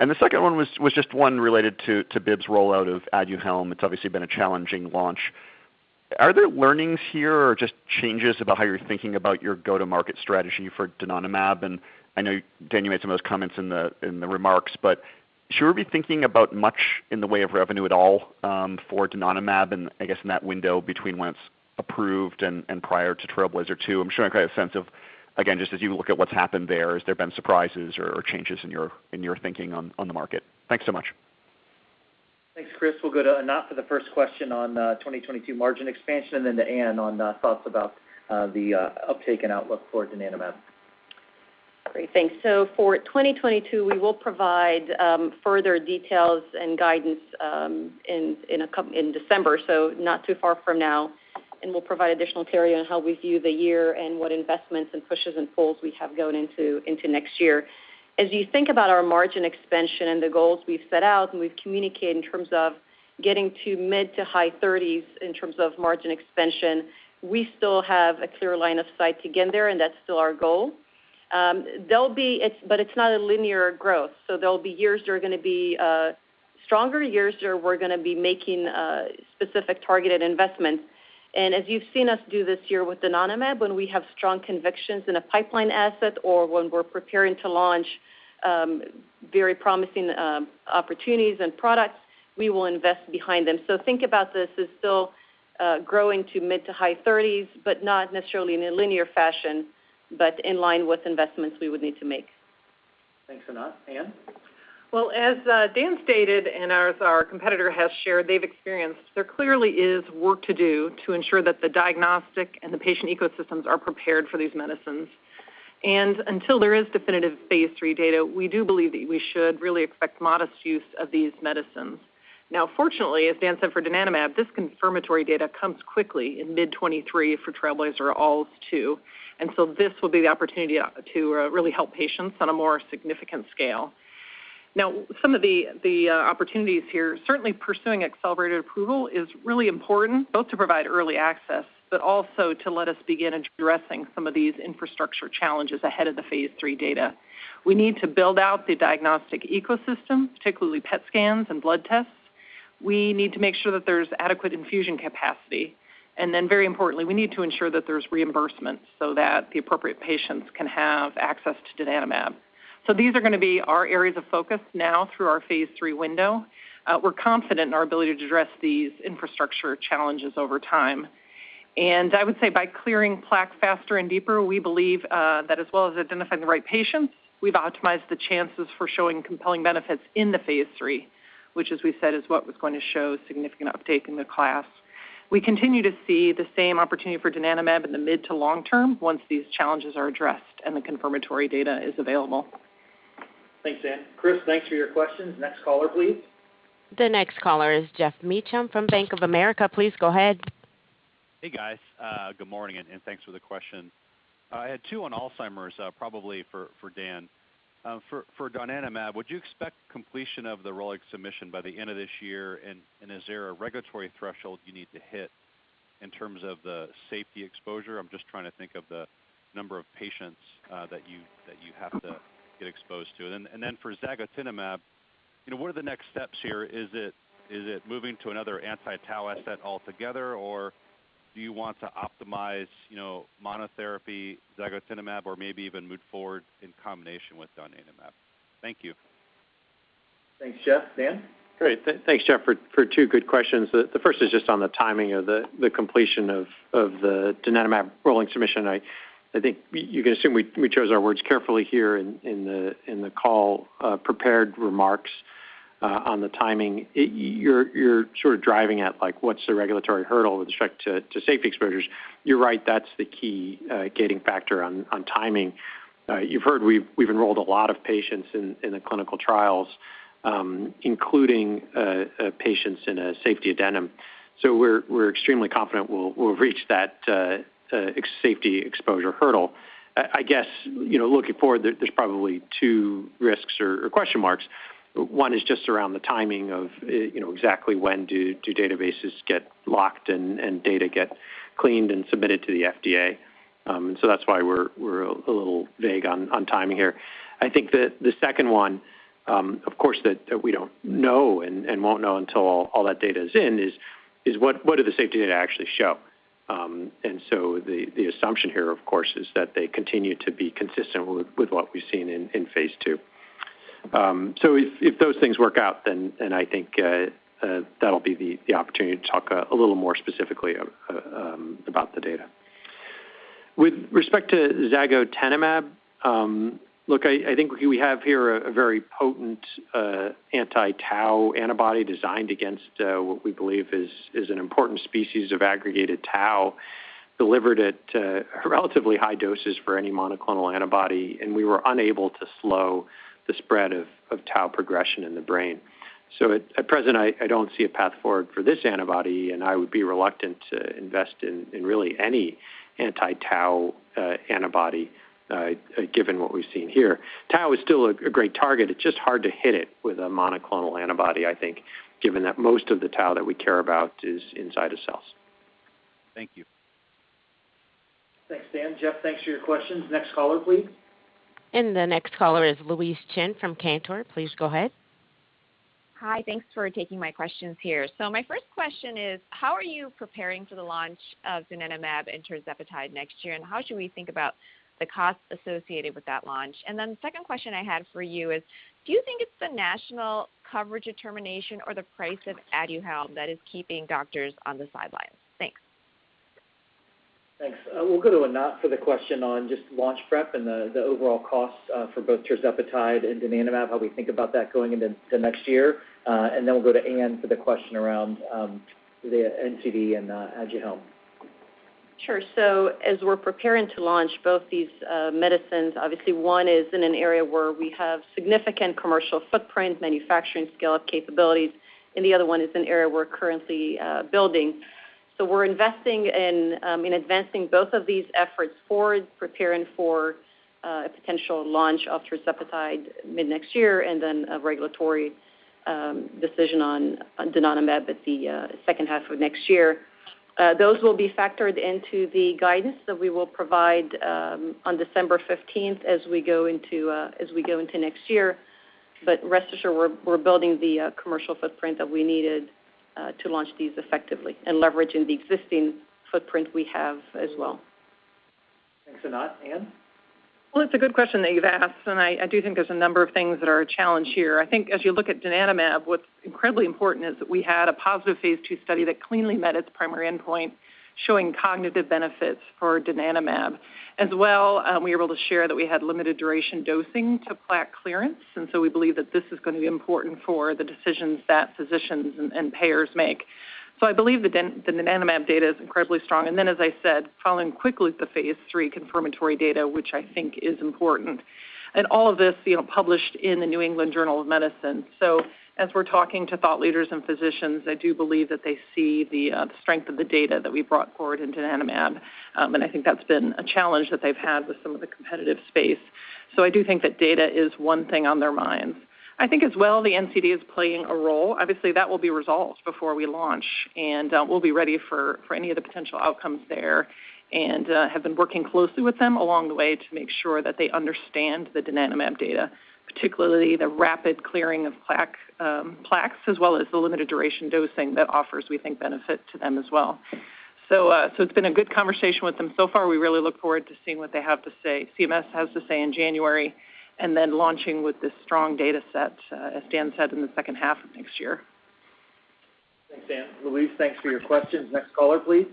Speaker 6: The second one was just one related to Biogen rollout of Aduhelm. It's obviously been a challenging launch. Are there learnings here or just changes about how you're thinking about your go-to-market strategy for donanemab? I know, Dan, you made some of those comments in the remarks, but should we be thinking about much in the way of revenue at all, for donanemab and I guess in that window between when it's approved and prior to TRAILBLAZER-ALZ 2? I'm just trying to get a sense of, again, just as you look at what's happened there, has there been surprises or changes in your thinking on the market? Thanks so much.
Speaker 3: Thanks, Chris. We'll go to Anat for the first question on 2022 margin expansion, and then to Anne on thoughts about the uptake and outlook for donanemab.
Speaker 4: Great. Thanks. For 2022, we will provide further details and guidance in December, so not too far from now. We'll provide additional clarity on how we view the year and what investments and pushes and pulls we have going into next year. As you think about our margin expansion and the goals we've set out and we've communicated in terms of getting to mid- to high 30s in terms of margin expansion, we still have a clear line of sight to get there, and that's still our goal. There'll be, but it's not a linear growth, so there'll be years that are gonna be stronger years where we're gonna be making specific targeted investments. As you've seen us do this year with donanemab, when we have strong convictions in a pipeline asset or when we're preparing to launch very promising opportunities and products, we will invest behind them. Think about this as still growing to mid- to high 30s, but not necessarily in a linear fashion, but in line with investments we would need to make.
Speaker 2: Thanks, Anat. Anne?
Speaker 7: Well, as Dan stated, and as our competitor has shared they've experienced, there clearly is work to do to ensure that the diagnostic and the patient ecosystems are prepared for these medicines. Until there is definitive phase III data, we do believe that we should really expect modest use of these medicines. Now, fortunately, as Dan said for donanemab, this confirmatory data comes quickly in mid-2023 for TRAILBLAZER-ALZ 2. This will be the opportunity to really help patients on a more significant scale. Now, some of the opportunities here, certainly pursuing accelerated approval is really important, both to provide early access, but also to let us begin addressing some of these infrastructure challenges ahead of the phase III data. We need to build out the diagnostic ecosystem, particularly PET scans and blood tests. We need to make sure that there's adequate infusion capacity. Then very importantly, we need to ensure that there's reimbursement so that the appropriate patients can have access to donanemab. These are gonna be our areas of focus now through our phase III window. We're confident in our ability to address these infrastructure challenges over time. I would say by clearing plaque faster and deeper, we believe that as well as identifying the right patients, we've optimized the chances for showing compelling benefits in the phase III, which as we said, is what was going to show significant uptake in the class. We continue to see the same opportunity for donanemab in the mid- to long-term once these challenges are addressed and the confirmatory data is available.
Speaker 2: Thanks, Anne. Chris, thanks for your questions. Next caller, please.
Speaker 1: The next caller is Geoff Meacham from Bank of America. Please go ahead.
Speaker 8: Hey, guys. Good morning, and thanks for the question. I had two on Alzheimer's, probably for Dan. For donanemab, would you expect completion of the rolling submission by the end of this year? And is there a regulatory threshold you need to hit in terms of the safety exposure? I'm just trying to think of the number of patients that you have to get exposed to. And then for zagotenemab, you know, what are the next steps here? Is it moving to another anti-tau asset altogether, or do you want to optimize, you know, monotherapy zagotenemab or maybe even move forward in combination with donanemab? Thank you.
Speaker 2: Thanks, Geoff. Dan?
Speaker 5: Great. Thanks, Geoff, for two good questions. The first is just on the timing of the completion of the donanemab rolling submission. I think you can assume we chose our words carefully here in the call prepared remarks on the timing. You're sort of driving at, like, what's the regulatory hurdle with respect to safety exposures. You're right, that's the key gating factor on timing. You've heard we've enrolled a lot of patients in the clinical trials, including patients in a safety addendum. So we're extremely confident we'll reach that safety exposure hurdle. I guess, you know, looking forward, there's probably two risks or question marks. One is just around the timing of, you know, exactly when do databases get locked and data get cleaned and submitted to the FDA. That's why we're a little vague on timing here. I think the second one, of course, that we don't know and won't know until all that data is in is, what do the safety data actually show? The assumption here, of course, is that they continue to be consistent with what we've seen in phase II. If those things work out, then I think that'll be the opportunity to talk a little more specifically about the data. With respect to zagotenemab, look, I think we have here a very potent anti-tau antibody designed against what we believe is an important species of aggregated tau delivered at relatively high doses for any monoclonal antibody, and we were unable to slow the spread of tau progression in the brain. At present, I don't see a path forward for this antibody, and I would be reluctant to invest in really any anti-tau antibody given what we've seen here. Tau is still a great target. It's just hard to hit it with a monoclonal antibody, I think, given that most of the tau that we care about is inside of cells.
Speaker 8: Thank you.
Speaker 2: Thanks, Dan. Jeff, thanks for your questions. Next caller, please.
Speaker 1: The next caller is Louise Chen from Cantor. Please go ahead.
Speaker 9: Hi. Thanks for taking my questions here. My first question is, how are you preparing for the launch of donanemab and tirzepatide next year, and how should we think about the costs associated with that launch? The second question I had for you is, do you think it's the national coverage determination or the price of Aduhelm that is keeping doctors on the sidelines? Thanks.
Speaker 2: Thanks. We'll go to Anat for the question on just launch prep and the overall cost for both tirzepatide and donanemab, how we think about that going into the next year. We'll go to Anne for the question around the NCD and Aduhelm.
Speaker 4: Sure. As we're preparing to launch both these medicines, obviously one is in an area where we have significant commercial footprint, manufacturing scale-up capabilities, and the other one is an area we're currently building. We're investing in advancing both of these efforts forward, preparing for a potential launch of tirzepatide mid-next year and then a regulatory decision on donanemab at the second half of next year. Those will be factored into the guidance that we will provide on December 15th as we go into next year. Rest assured, we're building the commercial footprint that we needed to launch these effectively and leveraging the existing footprint we have as well.
Speaker 2: Thanks, Anat. Anne?
Speaker 7: Well, it's a good question that you've asked, and I do think there's a number of things that are a challenge here. I think as you look at donanemab, what's incredibly important is that we had a positive phase II study that cleanly met its primary endpoint, showing cognitive benefits for donanemab. As well, we were able to share that we had limited duration dosing to plaque clearance, and so we believe that this is going to be important for the decisions that physicians and payers make. I believe the donanemab data is incredibly strong. Then, as I said, following quickly with the phase III confirmatory data, which I think is important. All of this, you know, published in the New England Journal of Medicine. As we're talking to thought leaders and physicians, I do believe that they see the strength of the data that we brought forward in donanemab, and I think that's been a challenge that they've had with some of the competitive space. I do think that data is one thing on their minds. I think as well, the NCD is playing a role. Obviously, that will be resolved before we launch, and we'll be ready for any of the potential outcomes there and have been working closely with them along the way to make sure that they understand the donanemab data, particularly the rapid clearing of plaques, as well as the limited duration dosing that offers, we think, benefit to them as well. It's been a good conversation with them so far. We really look forward to seeing what CMS has to say in January, and then launching with this strong data set, as Dan said, in the second half of next year.
Speaker 2: Thanks, Anne. Louise, thanks for your questions. Next caller, please.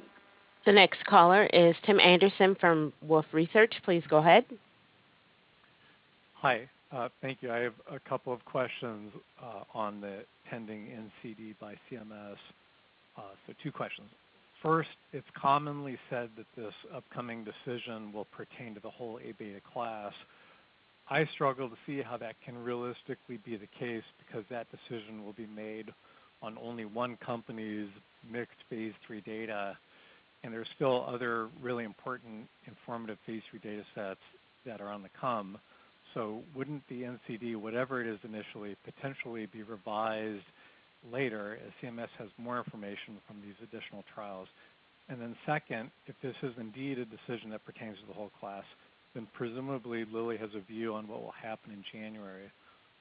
Speaker 1: The next caller is Tim Anderson from Wolfe Research. Please go ahead.
Speaker 10: Hi. Thank you. I have a couple of questions on the pending NCD by CMS. Two questions. First, it's commonly said that this upcoming decision will pertain to the whole A-beta class. I struggle to see how that can realistically be the case because that decision will be made on only one company's mixed phase III data, and there's still other really important informative phase III data sets that are on the come. Wouldn't the NCD, whatever it is initially, potentially be revised later as CMS has more information from these additional trials? Second, if this is indeed a decision that pertains to the whole class, then presumably Lilly has a view on what will happen in January.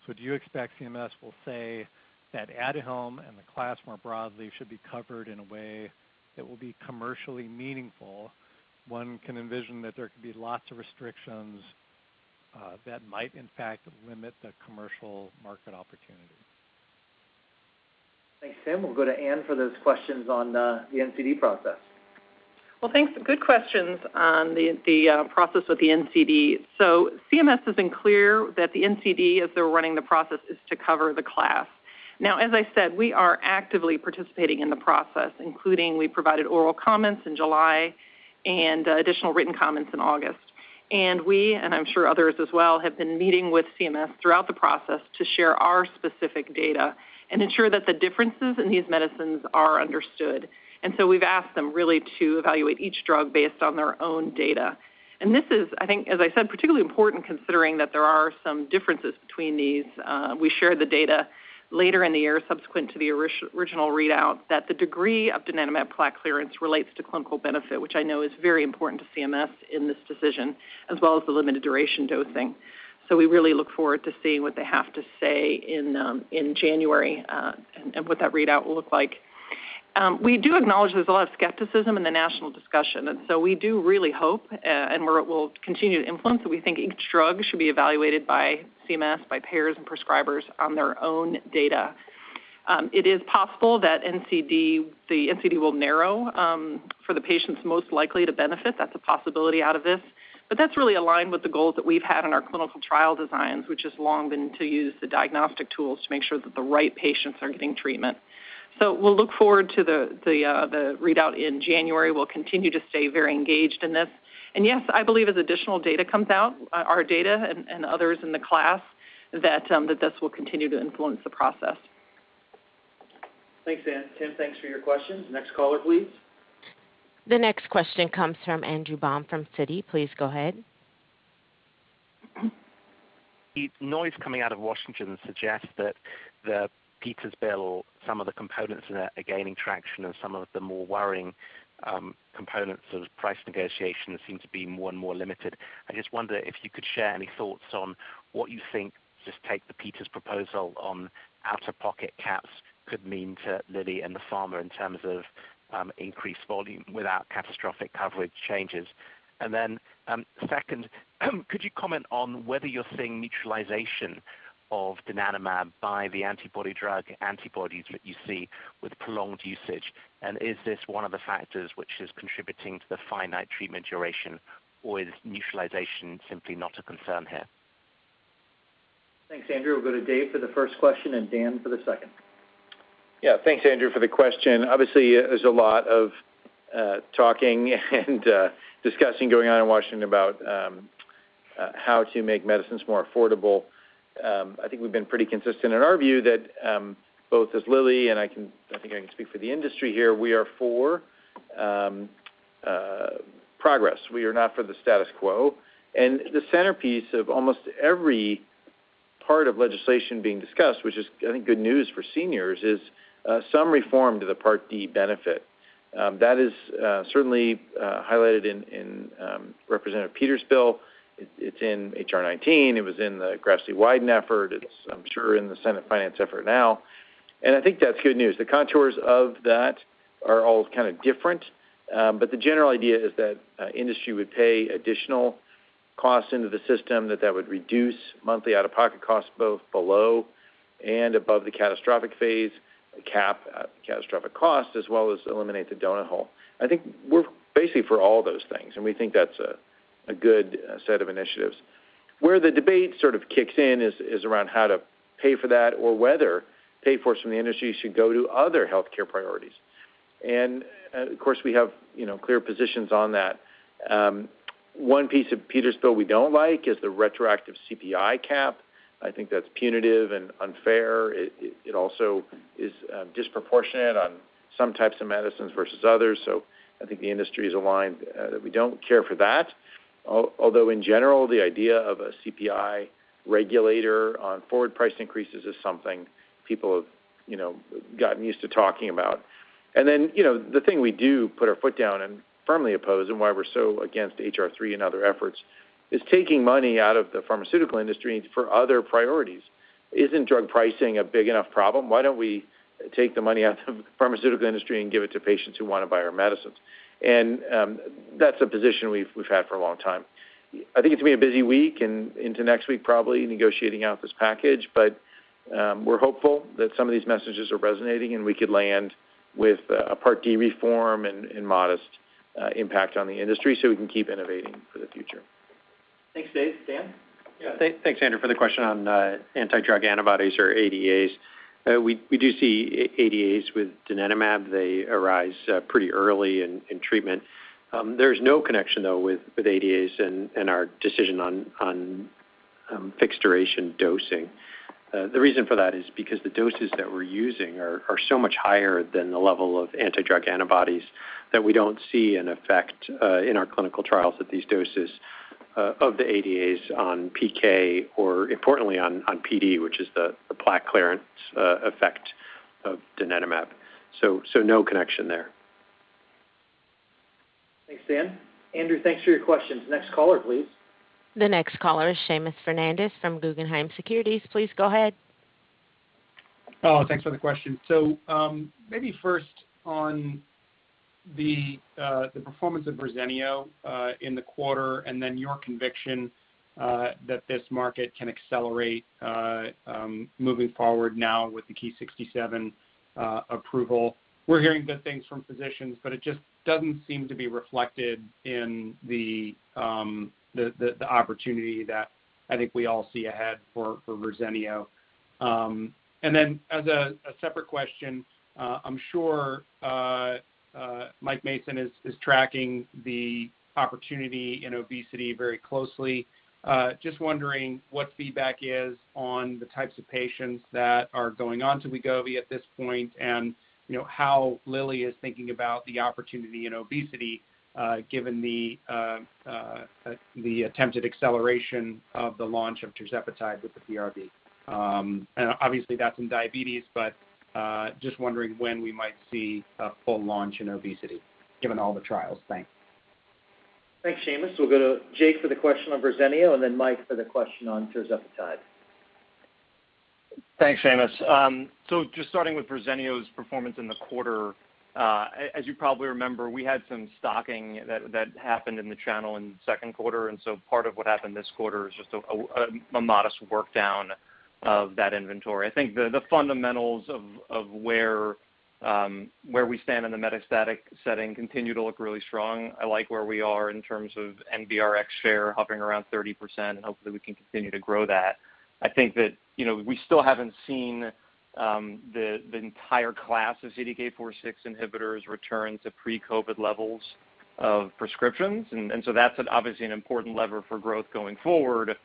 Speaker 10: Do you expect CMS will say that Aduhelm and the class more broadly should be covered in a way that will be commercially meaningful? One can envision that there could be lots of restrictions that might in fact limit the commercial market opportunity.
Speaker 2: Thanks, Tim. We'll go to Anne for those questions on the NCD process.
Speaker 7: Well, thanks. Good questions on the process with the NCD. CMS has been clear that the NCD, as they're running the process, is to cover the class. Now, as I said, we are actively participating in the process, including we provided oral comments in July and additional written comments in August. We, I'm sure others as well, have been meeting with CMS throughout the process to share our specific data and ensure that the differences in these medicines are understood. We've asked them really to evaluate each drug based on their own data. This is, I think, as I said, particularly important considering that there are some differences between these. We shared the data later in the year subsequent to the original readout that the degree of donanemab plaque clearance relates to clinical benefit, which I know is very important to CMS in this decision, as well as the limited duration dosing. We really look forward to seeing what they have to say in January, and what that readout will look like. We do acknowledge there's a lot of skepticism in the national discussion, and we do really hope and we'll continue to influence that we think each drug should be evaluated by CMS, by payers and prescribers on their own data. It is possible that the NCD will narrow for the patients most likely to benefit. That's a possibility out of this. That's really aligned with the goals that we've had in our clinical trial designs, which has long been to use the diagnostic tools to make sure that the right patients are getting treatment. We'll look forward to the readout in January. We'll continue to stay very engaged in this. Yes, I believe as additional data comes out, our data and others in the class, that this will continue to influence the process.
Speaker 2: Thanks, Anne. Tim, thanks for your questions. Next caller, please.
Speaker 1: The next question comes from Andrew Baum from Citi. Please go ahead.
Speaker 11: The noise coming out of Washington suggests that the Peters Bill, some of the components in it are gaining traction and some of the more worrying components of price negotiation seem to be more and more limited. I just wonder if you could share any thoughts on what you think, just take the Peters proposal on out-of-pocket caps could mean to Lilly and the pharma in terms of increased volume without catastrophic coverage changes. Second, could you comment on whether you're seeing neutralization of donanemab by the anti-drug antibodies that you see with prolonged usage? Is this one of the factors which is contributing to the finite treatment duration, or is neutralization simply not a concern here?
Speaker 2: Thanks, Andrew. We'll go to Dave for the first question and Dan for the second.
Speaker 3: Yeah. Thanks, Andrew, for the question. Obviously, there's a lot of talking and discussing going on in Washington about how to make medicines more affordable. I think we've been pretty consistent in our view that both as Lilly and I think I can speak for the industry here, we are for progress. We are not for the status quo. The centerpiece of almost every part of legislation being discussed, which is I think good news for seniors, is some reform to the Part D benefit. That is certainly highlighted in Representative Peters' bill. It's in H.R. 19. It was in the Grassley-Wyden effort. It's, I'm sure, in the Senate Finance effort now. I think that's good news. The contours of that are all kind of different, but the general idea is that industry would pay additional costs into the system that would reduce monthly out-of-pocket costs both below and above the catastrophic phase, cap catastrophic costs, as well as eliminate the donut hole. I think we're basically for all those things, and we think that's a good set of initiatives. Where the debate sort of kicks in is around how to pay for that or whether payments from the industry should go to other healthcare priorities. Of course, we have, you know, clear positions on that. One piece of Peters bill we don't like is the retroactive CPI cap. I think that's punitive and unfair. It also is disproportionate on some types of medicines versus others. I think the industry is aligned that we don't care for that. Although in general, the idea of a CPI regulator on forward price increases is something people have, you know, gotten used to talking about. Then, you know, the thing we do put our foot down and firmly oppose and why we're so against H.R. 3 and other efforts is taking money out of the pharmaceutical industry for other priorities. Isn't drug pricing a big enough problem? Why don't we take the money out of the pharmaceutical industry and give it to patients who wanna buy our medicines? That's a position we've had for a long time. I think it's gonna be a busy week and into next week, probably negotiating out this package. We're hopeful that some of these messages are resonating, and we could land with a Part D reform and modest impact on the industry so we can keep innovating for the future.
Speaker 2: Thanks, Dave. Dan?
Speaker 5: Yeah. Thanks, Andrew, for the question on anti-drug antibodies or ADAs. We do see ADAs with donanemab. They arise pretty early in treatment. There's no connection with ADAs and our decision on fixed duration dosing. The reason for that is because the doses that we're using are so much higher than the level of anti-drug antibodies that we don't see an effect in our clinical trials at these doses of the ADAs on PK or importantly on PD, which is the plaque clearance effect of donanemab. No connection there.
Speaker 2: Thanks, Dan. Andrew, thanks for your questions. Next caller, please.
Speaker 1: The next caller is Seamus Fernandez from Guggenheim Securities. Please go ahead.
Speaker 12: Oh, thanks for the question. Maybe first on the performance of Verzenio in the quarter, and then your conviction that this market can accelerate moving forward now with the Ki-67 approval. We're hearing good things from physicians, but it just doesn't seem to be reflected in the opportunity that I think we all see ahead for Verzenio. As a separate question, I'm sure Mike Mason is tracking the opportunity in obesity very closely. Just wondering what feedback is on the types of patients that are going on to Wegovy at this point and, you know, how Lilly is thinking about the opportunity in obesity given the attempted acceleration of the launch of tirzepatide with the PRV. Obviously, that's in diabetes, but just wondering when we might see a full launch in obesity given all the trials. Thanks.
Speaker 2: Thanks, Seamus. We'll go to Jake for the question on Verzenio and then Mike for the question on tirzepatide.
Speaker 13: Thanks, Seamus. Just starting with Verzenio's performance in the quarter, as you probably remember, we had some stocking that happened in the channel in second quarter, and part of what happened this quarter is just a modest work down of that inventory. I think the fundamentals of where we stand in the metastatic setting continue to look really strong. I like where we are in terms of NBRx share hovering around 30%, and hopefully we can continue to grow that. I think that, you know, we still haven't seen the entire class of CDK4/6 inhibitors return to pre-COVID levels of prescriptions. That's obviously an important lever for growth going forward,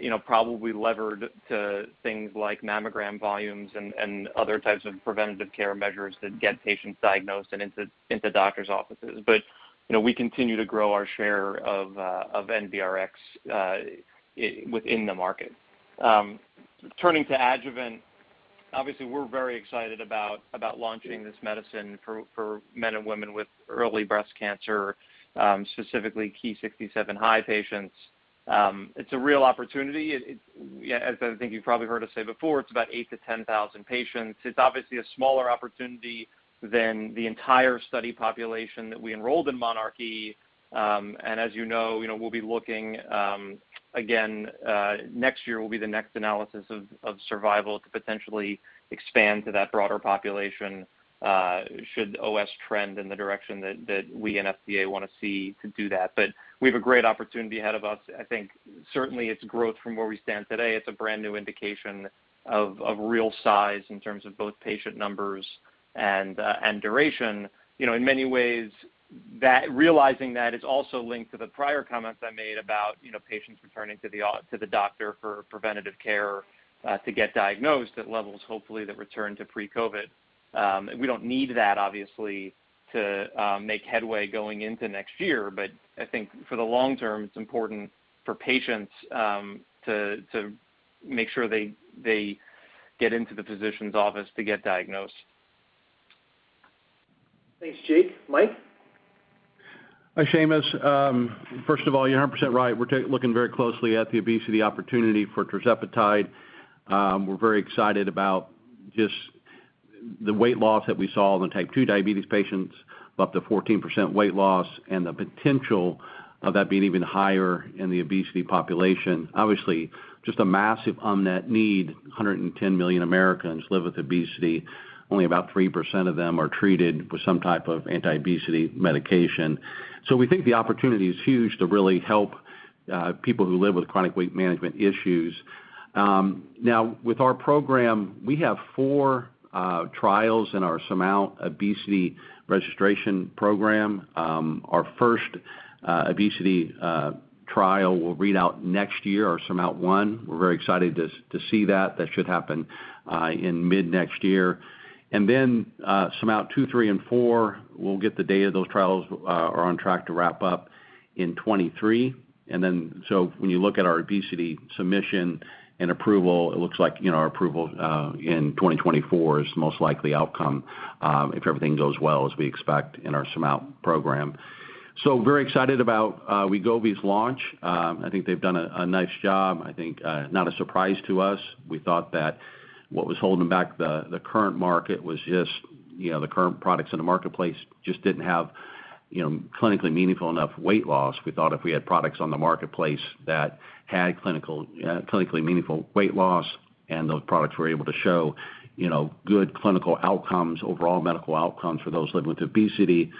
Speaker 13: you know, probably levered to things like mammogram volumes and other types of preventive care measures that get patients diagnosed and into doctor's offices. You know, we continue to grow our share of NBRx within the market. Turning to adjuvant, obviously we're very excited about launching this medicine for men and women with early breast cancer, specifically Ki-67 high patients. It's a real opportunity. As I think you've probably heard us say before, it's about 8,000-10,000 patients. It's obviously a smaller opportunity than the entire study population that we enrolled in monarchE. As you know, you know, we'll be looking again. Next year will be the next analysis of survival to potentially expand to that broader population, should OS trend in the direction that we and FDA wanna see to do that. We have a great opportunity ahead of us. I think certainly it's growth from where we stand today. It's a brand new indication of real size in terms of both patient numbers and duration. You know, in many ways, realizing that is also linked to the prior comments I made about, you know, patients returning to the doctor for preventative care to get diagnosed at levels, hopefully, that return to pre-COVID. We don't need that, obviously, to make headway going into next year. I think for the long term, it's important for patients to make sure they get into the physician's office to get diagnosed.
Speaker 2: Thanks, Jake. Mike?
Speaker 14: Hi, Seamus. First of all, you're 100% right. We're looking very closely at the obesity opportunity for tirzepatide. We're very excited about just The weight loss that we saw in the type 2 diabetes patients of up to 14% weight loss and the potential of that being even higher in the obesity population, obviously just a massive unmet need. 110 million Americans live with obesity. Only about 3% of them are treated with some type of anti-obesity medication. We think the opportunity is huge to really help people who live with chronic weight management issues. Now with our program, we have four trials in our SURMOUNT obesity registration program. Our first obesity trial will read out next year, our SURMOUNT-1. We're very excited to see that. That should happen in mid-next year. SURMOUNT-2, 3, and 4, we'll get the data. Those trials are on track to wrap up in 2023. When you look at our obesity submission and approval, it looks like, you know, our approval in 2024 is the most likely outcome, if everything goes well as we expect in our SURMOUNT program. Very excited about Wegovy's launch. I think they've done a nice job. I think not a surprise to us. We thought that what was holding back the current market was just, you know, the current products in the marketplace just didn't have, you know, clinically meaningful enough weight loss. We thought if we had products on the marketplace that had clinically meaningful weight loss and those products were able to show, you know, good clinical outcomes, overall medical outcomes for those living with obesity,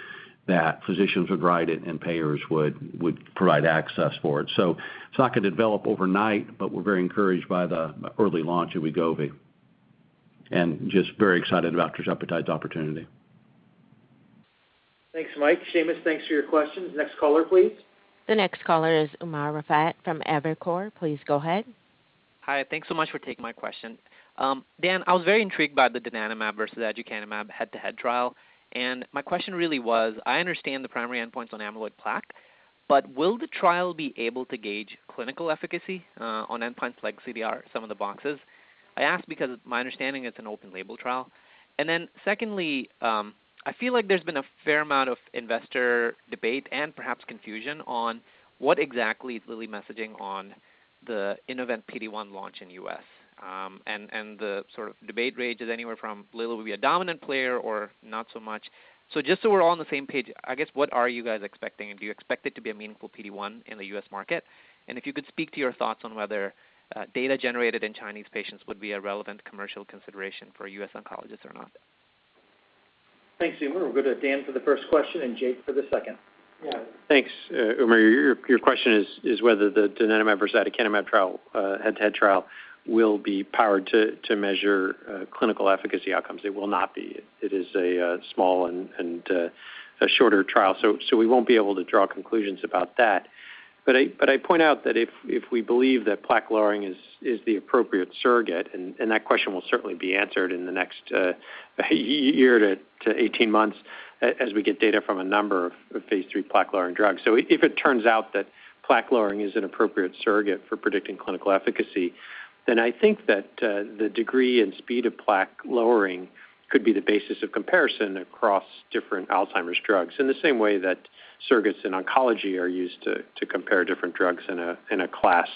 Speaker 14: that physicians would write it and payers would provide access for it. It's not gonna develop overnight, but we're very encouraged by the early launch of Wegovy. We're just very excited about tirzepatide's opportunity.
Speaker 2: Thanks, Mike. Seamus, thanks for your question. Next caller, please.
Speaker 1: The next caller is Umer Raffat from Evercore. Please go ahead.
Speaker 15: Hi. Thanks so much for taking my question. Dan, I was very intrigued by the donanemab versus aducanumab head-to-head trial. My question really was, I understand the primary endpoints on amyloid plaque, but will the trial be able to gauge clinical efficacy on endpoints like CDR-Sum of Boxes? I ask because my understanding it's an open label trial. Then secondly, I feel like there's been a fair amount of investor debate and perhaps confusion on what exactly is Lilly messaging on the Innovent PD-1 launch in U.S. The sort of debate rages anywhere from Lilly will be a dominant player or not so much. Just so we're all on the same page, I guess, what are you guys expecting? Do you expect it to be a meaningful PD-1 in the U.S. market? If you could speak to your thoughts on whether data generated in Chinese patients would be a relevant commercial consideration for U.S. oncologists or not?
Speaker 2: Thanks, Umer. We'll go to Dan for the first question and Jake for the second.
Speaker 5: Yeah. Thanks, Umer. Your question is whether the donanemab versus aducanumab trial head-to-head trial will be powered to measure clinical efficacy outcomes. It will not be. It is a small and a shorter trial. We won't be able to draw conclusions about that. I point out that if we believe that plaque lowering is the appropriate surrogate, and that question will certainly be answered in the next year to 18 months as we get data from a number of phase III plaque-lowering drugs. If it turns out that plaque lowering is an appropriate surrogate for predicting clinical efficacy, then I think that the degree and speed of plaque lowering could be the basis of comparison across different Alzheimer's drugs in the same way that surrogates in oncology are used to compare different drugs in a class.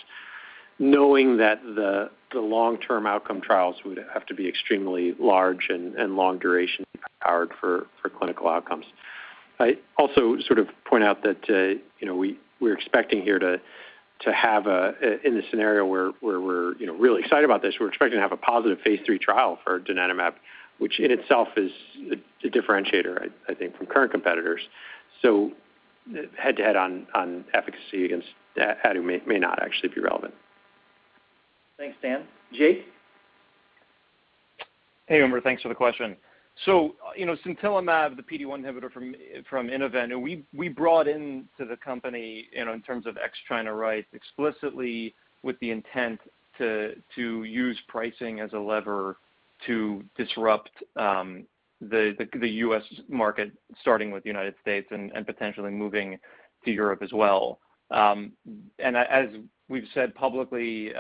Speaker 5: Knowing that the long-term outcome trials would have to be extremely large and long duration powered for clinical outcomes. I also sort of point out that you know in the scenario where we're you know really excited about this, we're expecting to have a positive phase III trial for donanemab, which in itself is a differentiator I think from current competitors. Head-to-head on efficacy against aducanumab may not actually be relevant.
Speaker 2: Thanks, Dan. Jake?
Speaker 13: Hey, Umer. Thanks for the question. You know, sintilimab, the PD-1 inhibitor from Innovent, we brought in to the company, you know, in terms of ex-China rights, explicitly with the intent to use pricing as a lever to disrupt the U.S. market, starting with the United States and potentially moving to Europe as well. As we've said publicly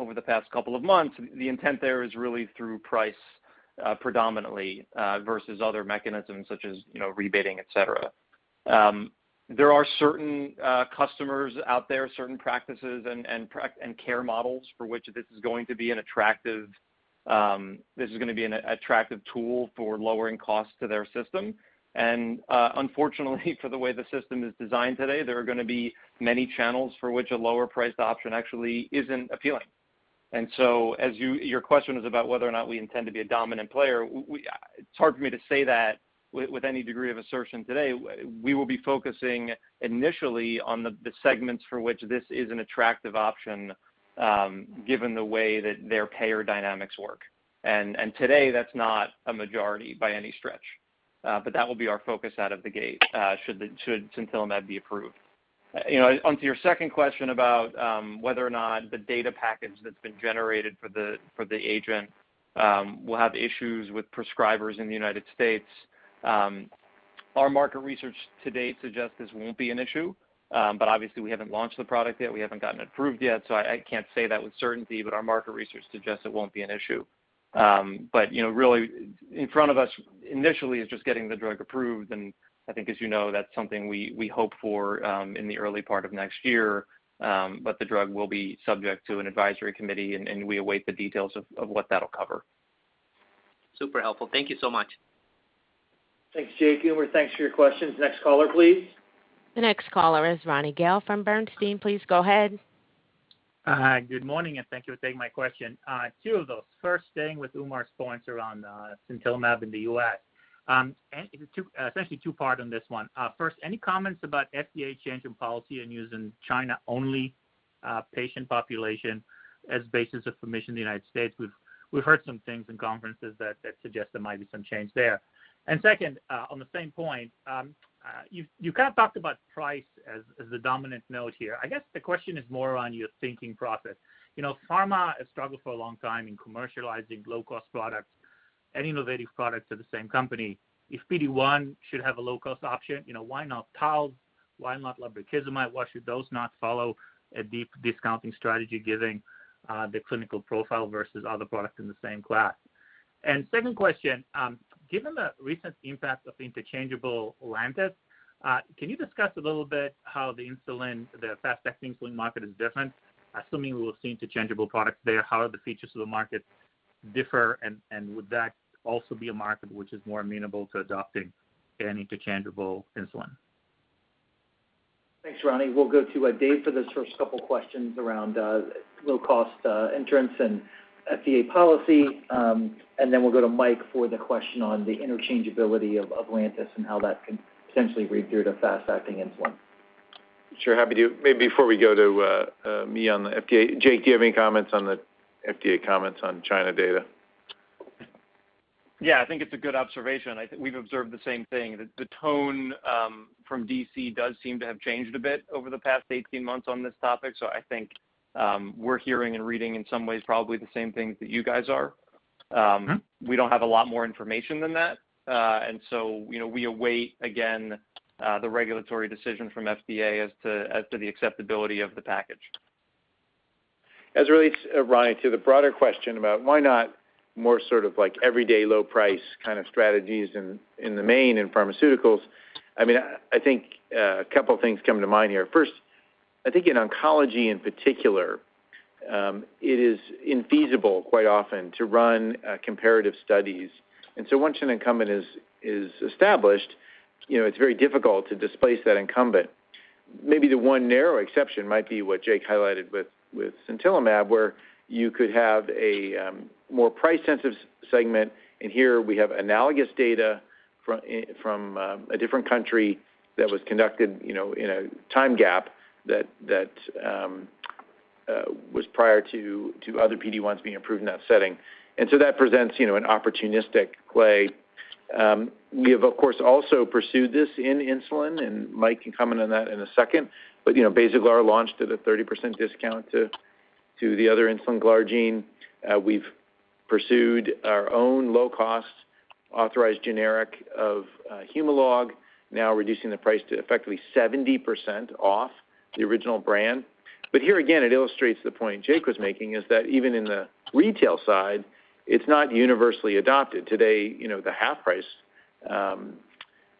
Speaker 13: over the past couple of months, the intent there is really through price predominantly versus other mechanisms such as rebating, etc. There are certain customers out there, certain practices and care models for which this is going to be an attractive tool for lowering costs to their system. Unfortunately for the way the system is designed today, there are gonna be many channels for which a lower priced option actually isn't appealing. Your question is about whether or not we intend to be a dominant player. It's hard for me to say that with any degree of assertion today. We will be focusing initially on the segments for which this is an attractive option, given the way that their payer dynamics work. Today, that's not a majority by any stretch. But that will be our focus out of the gate, should sintilimab be approved. You know, onto your second question about whether or not the data package that's been generated for the agent will have issues with prescribers in the United States. Our market research to date suggests this won't be an issue, but obviously we haven't launched the product yet. We haven't gotten approved yet, so I can't say that with certainty, but our market research suggests it won't be an issue. You know, really in front of us initially is just getting the drug approved, and I think as you know that's something we hope for in the early part of next year, but the drug will be subject to an advisory committee and we await the details of what that'll cover.
Speaker 15: Super helpful. Thank you so much.
Speaker 2: Thanks, Jake. Umer, thanks for your questions. Next caller, please.
Speaker 1: The next caller is Ronny Gal from Bernstein. Please go ahead.
Speaker 16: Good morning, and thank you for taking my question. Two of those. First, staying with Umer's points around sintilimab in the U.S. It's actually two-part on this one. First, any comments about FDA change in policy and using China-only patient population as basis of permission in the United States? We've heard some things in conferences that suggest there might be some change there. Second, on the same point, you've kind of talked about price as the dominant note here. I guess the question is more around your thinking process. You know, pharma has struggled for a long time in commercializing low-cost products and innovative products at the same company. If PD-1 should have a low-cost option, you know, why not Taltz? Why not lebrikizumab? Why should those not follow a deep discounting strategy given the clinical profile versus other products in the same class? Second question, given the recent impact of interchangeable Lantus, can you discuss a little bit how the fast-acting insulin market is different, assuming we will see interchangeable products there? How are the features of the market differ, and would that also be a market which is more amenable to adopting an interchangeable insulin?
Speaker 2: Thanks, Ronny. We'll go to Dave for the first couple questions around low cost entrants and FDA policy, and then we'll go to Mike for the question on the interchangeability of Lantus and how that can potentially read through to fast-acting insulin.
Speaker 3: Sure, happy to. Maybe before we go to me on the FDA, Jake, do you have any comments on the FDA comments on China data?
Speaker 13: Yeah. I think it's a good observation. I think we've observed the same thing. The tone from D.C. does seem to have changed a bit over the past 18 months on this topic, so I think we're hearing and reading in some ways probably the same things that you guys are. We don't have a lot more information than that, and so, you know, we await, again, the regulatory decision from FDA as to the acceptability of the package.
Speaker 3: As it relates, Ronny, to the broader question about why not more sort of like everyday low price kind of strategies in the main in pharmaceuticals, I mean, I think a couple things come to mind here. First, I think in oncology in particular, it is infeasible quite often to run comparative studies. Once an incumbent is established, you know, it's very difficult to displace that incumbent. Maybe the one narrow exception might be what Jake highlighted with sintilimab, where you could have a more price-sensitive segment. Here we have analogous data from a different country that was conducted, you know, in a time gap that was prior to other PD-1s being approved in that setting. That presents, you know, an opportunistic play. We have, of course, also pursued this in insulin, and Mike can comment on that in a second. You know, Basaglar launched at a 30% discount to the other insulin glargine. We've pursued our own low-cost authorized generic of Humalog, now reducing the price to effectively 70% off the original brand. Here again, it illustrates the point Jake was making, that even in the retail side, it's not universally adopted. Today, you know, the half-price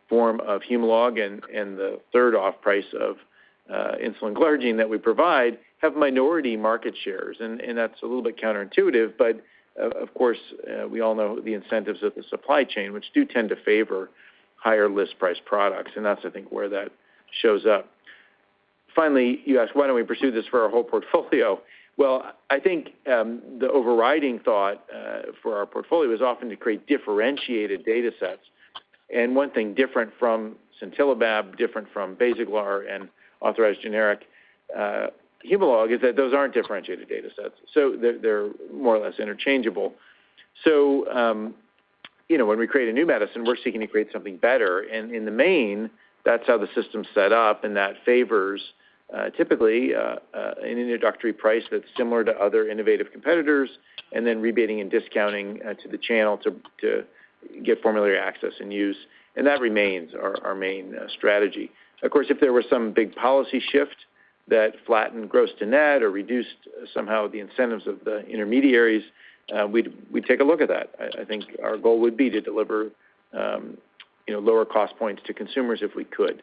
Speaker 3: form of Humalog and the third-off price of insulin glargine that we provide have minority market shares. That's a little bit counterintuitive, but of course, we all know the incentives of the supply chain, which do tend to favor higher list price products, and that's, I think, where that shows up. Finally, you asked why don't we pursue this for our whole portfolio? Well, I think the overriding thought for our portfolio is often to create differentiated data sets. One thing different from sintilimab, different from Basaglar and authorized generic Humalog is that those aren't differentiated data sets, so they're more or less interchangeable. You know, when we create a new medicine, we're seeking to create something better. In the main, that's how the system's set up, and that favors typically an introductory price that's similar to other innovative competitors and then rebating and discounting to the channel to get formulary access and use. That remains our main strategy. Of course, if there were some big policy shift that flattened gross to net or reduced somehow the incentives of the intermediaries, we'd take a look at that. I think our goal would be to deliver, you know, lower cost points to consumers if we could.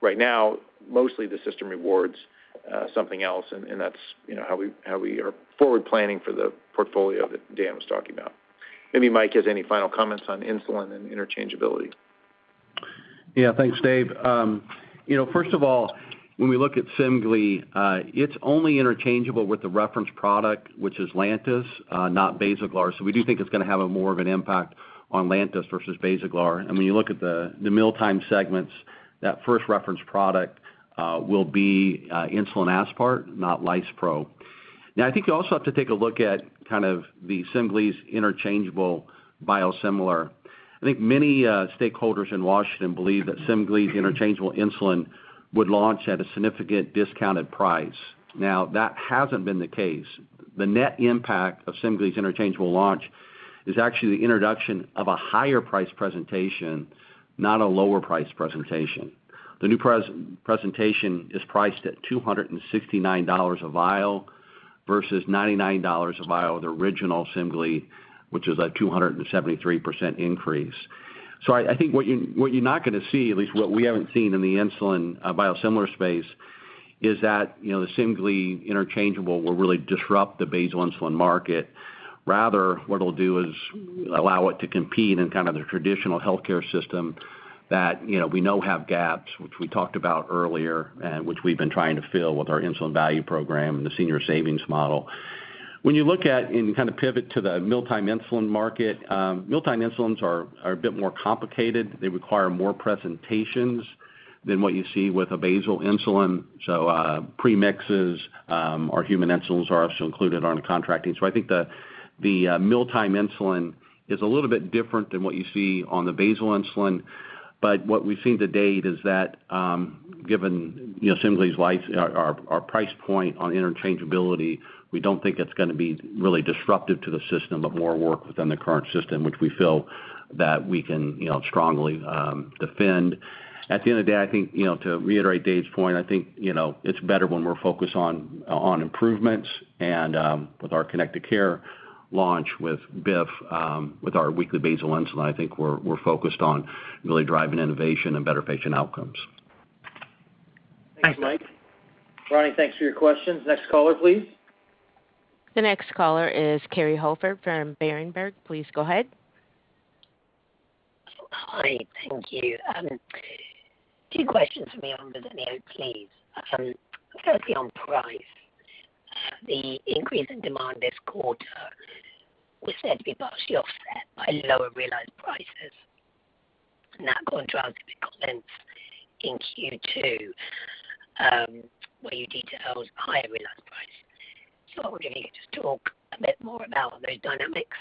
Speaker 3: Right now, mostly the system rewards something else, and that's, you know, how we are forward planning for the portfolio that Dan was talking about. Maybe Mike has any final comments on insulin and interchangeability.
Speaker 14: Yeah. Thanks, Dave. You know, first of all, when we look at Semglee, it's only interchangeable with the reference product, which is Lantus, not Basaglar. We do think it's gonna have a more of an impact on Lantus versus Basaglar. When you look at the mealtime segments, that first reference product will be insulin aspart, not lispro. Now I think you also have to take a look at kind of the Semglee's interchangeable biosimilar. I think many stakeholders in Washington believe that Semglee's interchangeable insulin would launch at a significant discounted price. Now, that hasn't been the case. The net impact of Semglee's interchangeable launch is actually the introduction of a higher price presentation, not a lower price presentation. The new presentation is priced at $269 a vial versus $99 a vial of the original Semglee, which is a 273% increase. I think what you're not gonna see, at least what we haven't seen in the insulin biosimilar space is that you know, the Semglee interchangeable will really disrupt the basal insulin market. Rather, what it'll do is allow it to compete in kind of the traditional healthcare system that you know, we now have gaps, which we talked about earlier, and which we've been trying to fill with our Insulin Value Program and the Senior Savings Model. When you look at and kind of pivot to the mealtime insulin market, mealtime insulins are a bit more complicated. They require more presentations than what you see with a basal insulin. Premixes, our human insulins are also included on the contracting. I think the mealtime insulin is a little bit different than what you see on the basal insulin. But what we've seen to date is that, given, you know, Semglee's—our price point on interchangeability, we don't think it's gonna be really disruptive to the system, but more work within the current system, which we feel that we can, you know, strongly defend. At the end of the day, I think, you know, to reiterate Dave's point, I think, you know, it's better when we're focused on improvements and, with our connected care launch with BIF, with our weekly basal insulin, I think we're focused on really driving innovation and better patient outcomes.
Speaker 2: Thanks, Mike. Ronny, thanks for your questions. Next caller, please.
Speaker 1: The next caller is Kerry Holford from Berenberg. Please go ahead.
Speaker 17: Hi, thank you. Two questions for me on the Verzenio, please. Firstly, on price. The increase in demand this quarter was said to be partially offset by lower realized prices. That contrasts with comments in Q2, where you detailed higher realized prices. I was wondering if you could just talk a bit more about those dynamics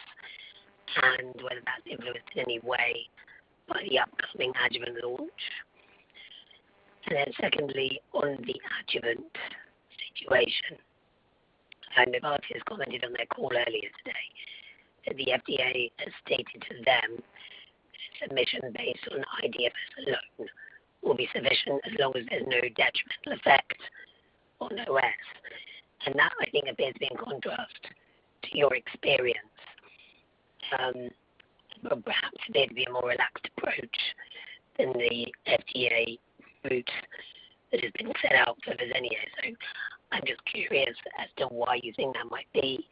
Speaker 17: and whether that's influenced in any way by the upcoming adjuvant launch. Then secondly, on the adjuvant situation. Novartis commented on their call earlier today that the FDA has stated to them that a submission based on iDFS alone will be sufficient as long as there's no detrimental effect on OS. That, I think, appears to be in contrast to your experience. Perhaps there'd be a more relaxed approach than the FDA route that has been set out for Verzenio. I'm just curious as to why you think that might be.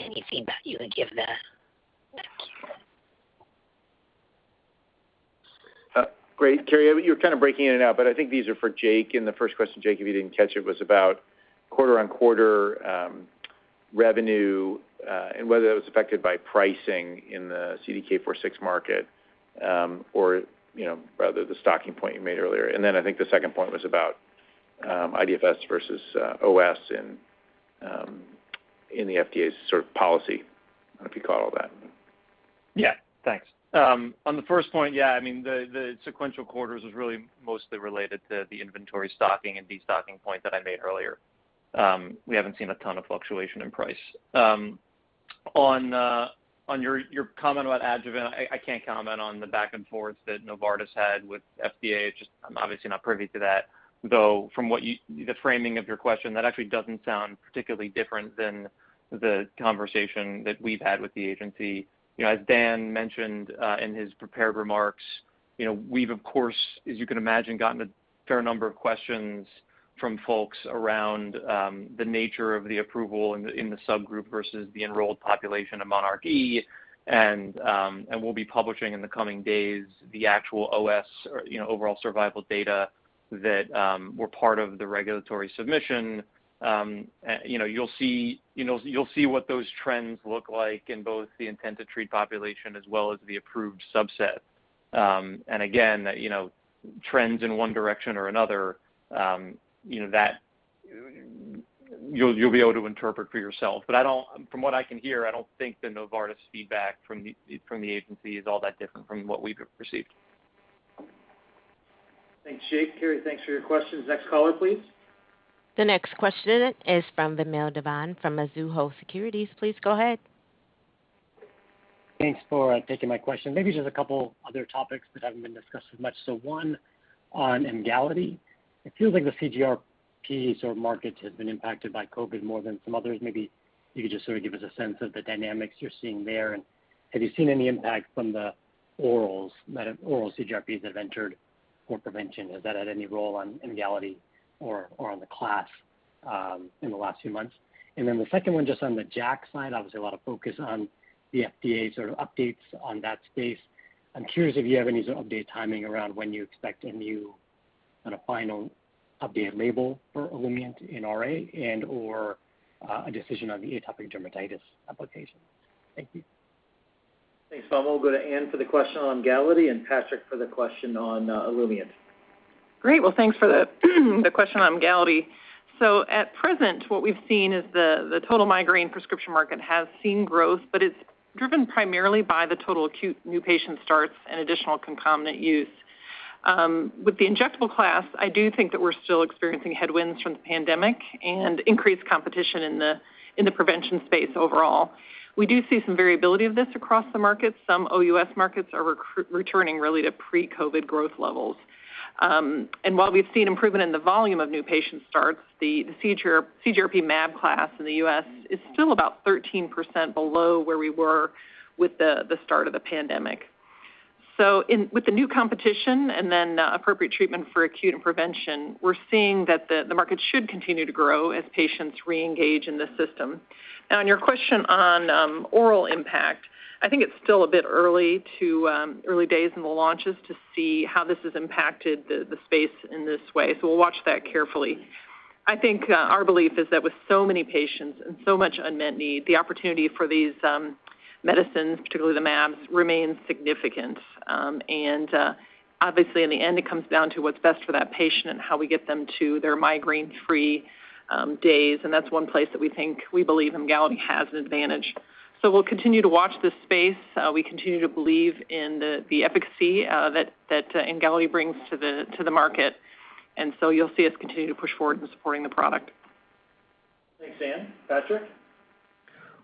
Speaker 17: Any feedback you would give there? Thank you.
Speaker 2: Great. Kerry, you're kind of breaking in and out, but I think these are for Jake. The first question, Jake, if you didn't catch it, was about quarter-over-quarter revenue and whether it was affected by pricing in the CDK4/6 market, or, you know, rather the stocking point you made earlier. Then I think the second point was about iDFS versus OS in the FDA's sort of policy. I don't know if you caught all that.
Speaker 13: Yeah. Thanks. On the first point, yeah, I mean, the sequential quarters was really mostly related to the inventory stocking and destocking point that I made earlier. We haven't seen a ton of fluctuation in price. On your comment about adjuvant, I can't comment on the back and forth that Novartis had with FDA. Just I'm obviously not privy to that, though from what you, the framing of your question, that actually doesn't sound particularly different than the conversation that we've had with the agency. You know, as Dan mentioned, in his prepared remarks, you know, we've, of course, as you can imagine, gotten a fair number of questions from folks around the nature of the approval in the subgroup versus the enrolled population of monarchE. We'll be publishing in the coming days the actual OS, you know, overall survival data that were part of the regulatory submission. You know, you'll see what those trends look like in both the intent to treat population as well as the approved subset. Again, you know, trends in one direction or another, you know, that you'll be able to interpret for yourself. From what I can hear, I don't think the Novartis feedback from the agency is all that different from what we've received.
Speaker 2: Thanks, Jake. Kerry, thanks for your questions. Next caller, please.
Speaker 1: The next question is from Vamil Divan from Mizuho Securities. Please go ahead.
Speaker 18: Thanks for taking my question. Maybe just a couple other topics that haven't been discussed as much. One on Emgality. It feels like the CGRP sort of market has been impacted by COVID more than some others. Maybe you could just sort of give us a sense of the dynamics you're seeing there. Have you seen any impact from the orals, oral CGRPs that have entered for prevention? Has that had any role on Emgality or on the class, in the last few months? Then the second one, just on the JAK side, obviously a lot of focus on the FDA sort of updates on that space. I'm curious if you have any sort of update timing around when you expect a new and a final updated label for Olumiant in RA and/or, a decision on the atopic dermatitis application. Thank you.
Speaker 2: Thanks, Vamil. We'll go to Anne for the question on Emgality and Patrik for the question on Olumiant.
Speaker 7: Great. Well, thanks for the question on Emgality. At present, what we've seen is the total migraine prescription market has seen growth, but it's driven primarily by the total acute new patient starts and additional concomitant use. With the injectable class, I do think that we're still experiencing headwinds from the pandemic and increased competition in the prevention space overall. We do see some variability of this across the markets. Some OUS markets are returning really to pre-COVID growth levels. While we've seen improvement in the volume of new patient starts, the CGRP mAb class in the U.S. is still about 13% below where we were with the start of the pandemic. With the new competition and then appropriate treatment for acute and prevention, we're seeing that the market should continue to grow as patients reengage in the system. Now on your question on oral impact, I think it's still a bit early days in the launches to see how this has impacted the space in this way. We'll watch that carefully. I think our belief is that with so many patients and so much unmet need, the opportunity for these medicines, particularly the mAbs, remains significant. Obviously, in the end, it comes down to what's best for that patient and how we get them to their migraine-free days, and that's one place that we believe Emgality has an advantage. We'll continue to watch this space. We continue to believe in the efficacy that Emgality brings to the market. You'll see us continue to push forward in supporting the product.
Speaker 2: Thanks, Anne. Patrik?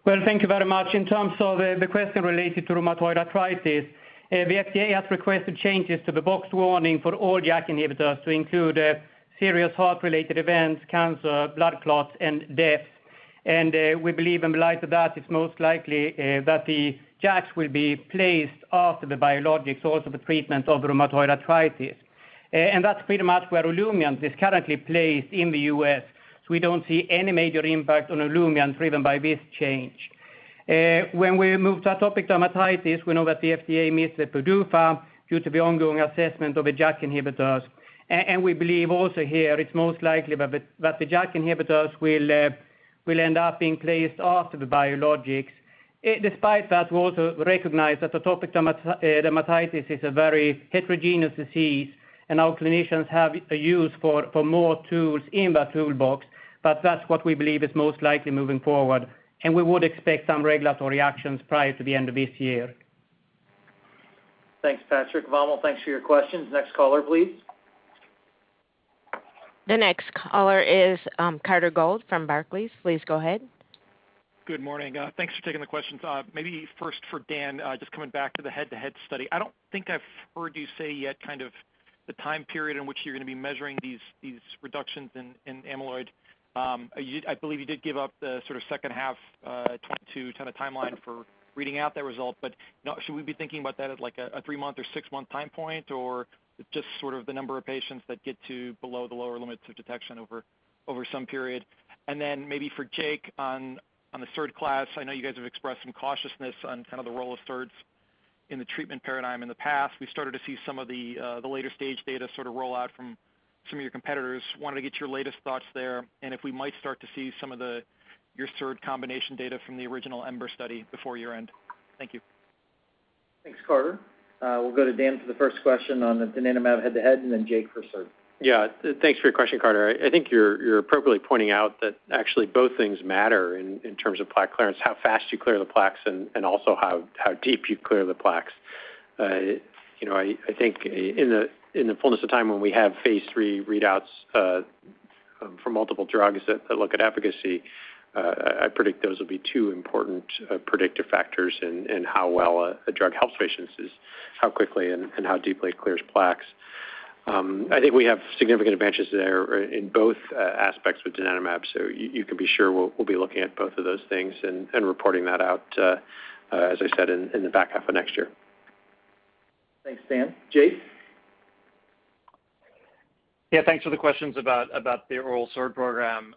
Speaker 19: Well, thank you very much. In terms of the question related to rheumatoid arthritis, the FDA has requested changes to the box warning for all JAK inhibitors to include serious heart-related events, cancer, blood clots, and deaths. We believe in light of that, it's most likely that the JAKs will be placed after the biologics also the treatment of rheumatoid arthritis. That's pretty much where Olumiant is currently placed in the U.S., so we don't see any major impact on Olumiant driven by this change. When we move to atopic dermatitis, we know that the FDA meets with Purdue Pharma due to the ongoing assessment of the JAK inhibitors. We believe also here it's most likely that the JAK inhibitors will end up being placed after the biologics. Despite that, we also recognize that atopic dermatitis is a very heterogeneous disease, and our clinicians have a use for more tools in that toolbox, but that's what we believe is most likely moving forward. We would expect some regulatory actions prior to the end of this year.
Speaker 2: Thanks, Patrik. Vamil, thanks for your questions. Next caller, please.
Speaker 1: The next caller is, Carter Gould from Barclays. Please go ahead.
Speaker 20: Good morning. Thanks for taking the questions. Maybe first for Dan, just coming back to the head-to-head study. I don't think I've heard you say yet kind of the time period in which you're gonna be measuring these reductions in amyloid. I believe you did give us the sort of second half of 2022 timeline for reading out that result. But now should we be thinking about that at, like, a three-month or six-month time point, or just sort of the number of patients that get to below the lower limits of detection over some period? Then maybe for Jake on the SERD class, I know you guys have expressed some cautiousness on kind of the role of SERDs in the treatment paradigm in the past. We started to see some of the later stage data sort of roll out from some of your competitors. Wanted to get your latest thoughts there, and if we might start to see your SERD combination data from the original EMBER study before year-end. Thank you.
Speaker 2: Thanks, Carter. We'll go to Dan for the first question on the donanemab head-to-head, and then Jake for SERD.
Speaker 5: Yeah. Thanks for your question, Carter. I think you're appropriately pointing out that actually both things matter in terms of plaque clearance, how fast you clear the plaques and also how deep you clear the plaques. You know, I think in the fullness of time when we have phase III readouts for multiple drugs that look at efficacy, I predict those will be two important predictive factors in how well a drug helps patients is how quickly and how deeply it clears plaques. I think we have significant advantages there in both aspects with donanemab, so you can be sure we'll be looking at both of those things and reporting that out, as I said, in the back half of next year.
Speaker 2: Thanks, Dan. Jake?
Speaker 13: Yeah, thanks for the questions about the oral SERD program.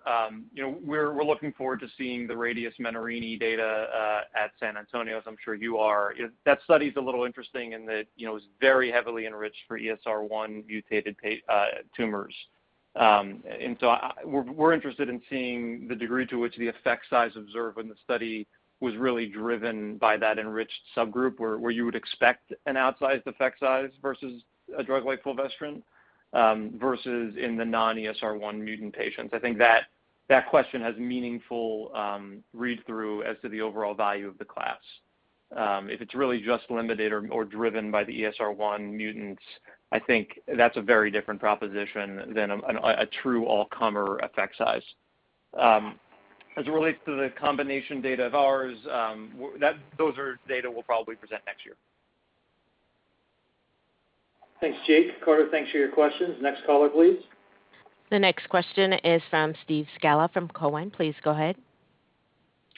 Speaker 13: You know, we're looking forward to seeing the Radius/Menarini data at San Antonio, as I'm sure you are. That study's a little interesting in that, you know, it's very heavily enriched for ESR1 mutated tumors. We're interested in seeing the degree to which the effect size observed when the study was really driven by that enriched subgroup where you would expect an outsized effect size versus a drug-like fulvestrant versus in the non-ESR1 mutant patients. I think that question has meaningful read-through as to the overall value of the class. If it's really just limited or driven by the ESR1 mutants, I think that's a very different proposition than a true all-comer effect size. As it relates to the combination data of ours, those are data we'll probably present next year.
Speaker 2: Thanks, Jake. Carter, thanks for your questions. Next caller, please.
Speaker 1: The next question is from Steve Scala from Cowen. Please go ahead.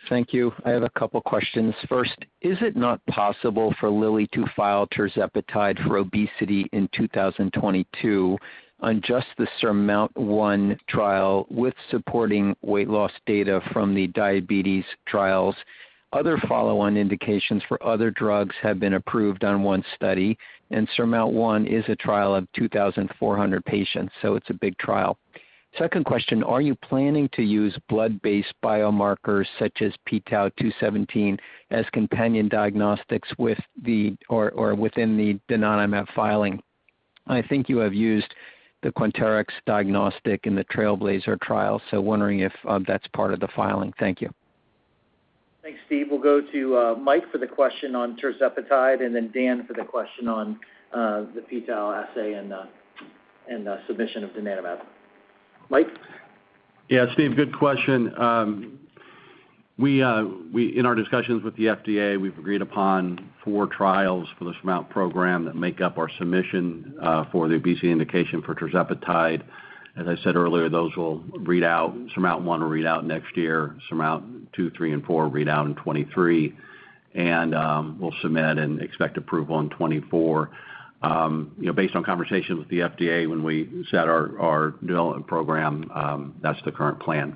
Speaker 21: Thank you. I have a couple questions. First, is it not possible for Lilly to file tirzepatide for obesity in 2022 on just the SURMOUNT-1 trial with supporting weight loss data from the diabetes trials? Other follow-on indications for other drugs have been approved on one study, and SURMOUNT-1 is a trial of 2,400 patients, so it's a big trial. Second question, are you planning to use blood-based biomarkers such as p-tau217 as companion diagnostics with the BLA or within the donanemab filing? I think you have used the Quanterix diagnostic in the TRAILBLAZER trial, so wondering if that's part of the filing. Thank you.
Speaker 2: Thanks, Steve. We'll go to Mike for the question on tirzepatide, and then Dan for the question on the p-tau assay and submission of donanemab. Mike?
Speaker 14: Yeah, Steve, good question. In our discussions with the FDA, we've agreed upon four trials for the SURMOUNT program that make up our submission for the obesity indication for tirzepatide. As I said earlier, those will read out, some in one will read out next year, some in two, three and four read out in 2023. We'll submit and expect approval in 2024. Based on conversations with the FDA when we set our development program, that's the current plan.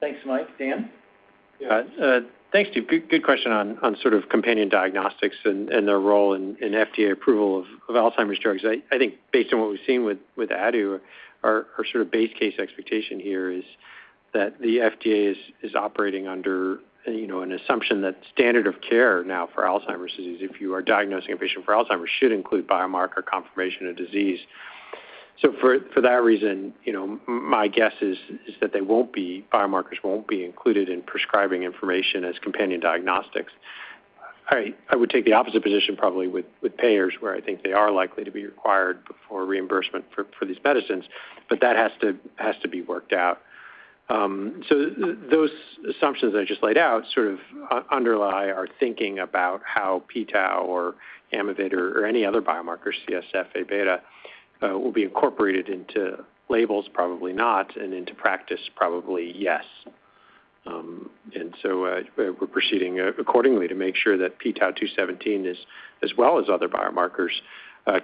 Speaker 2: Thanks, Mike. Dan?
Speaker 5: Thanks, Steve. Good question on sort of companion diagnostics and their role in FDA approval of Alzheimer's drugs. I think based on what we've seen with Aduhelm, our sort of base case expectation here is that the FDA is operating under, you know, an assumption that standard of care now for Alzheimer's disease, if you are diagnosing a patient for Alzheimer's, should include biomarker confirmation of disease. For that reason, you know, my guess is that they won't be biomarkers won't be included in prescribing information as companion diagnostics. I would take the opposite position probably with payers, where I think they are likely to be required before reimbursement for these medicines, but that has to be worked out. Those assumptions I just laid out sort of underlie our thinking about how p-tau217 or Amyvid or any other biomarkers, CSF, Abeta, will be incorporated into labels probably not, and into practice probably yes. We're proceeding accordingly to make sure that p-tau217, as well as other biomarkers,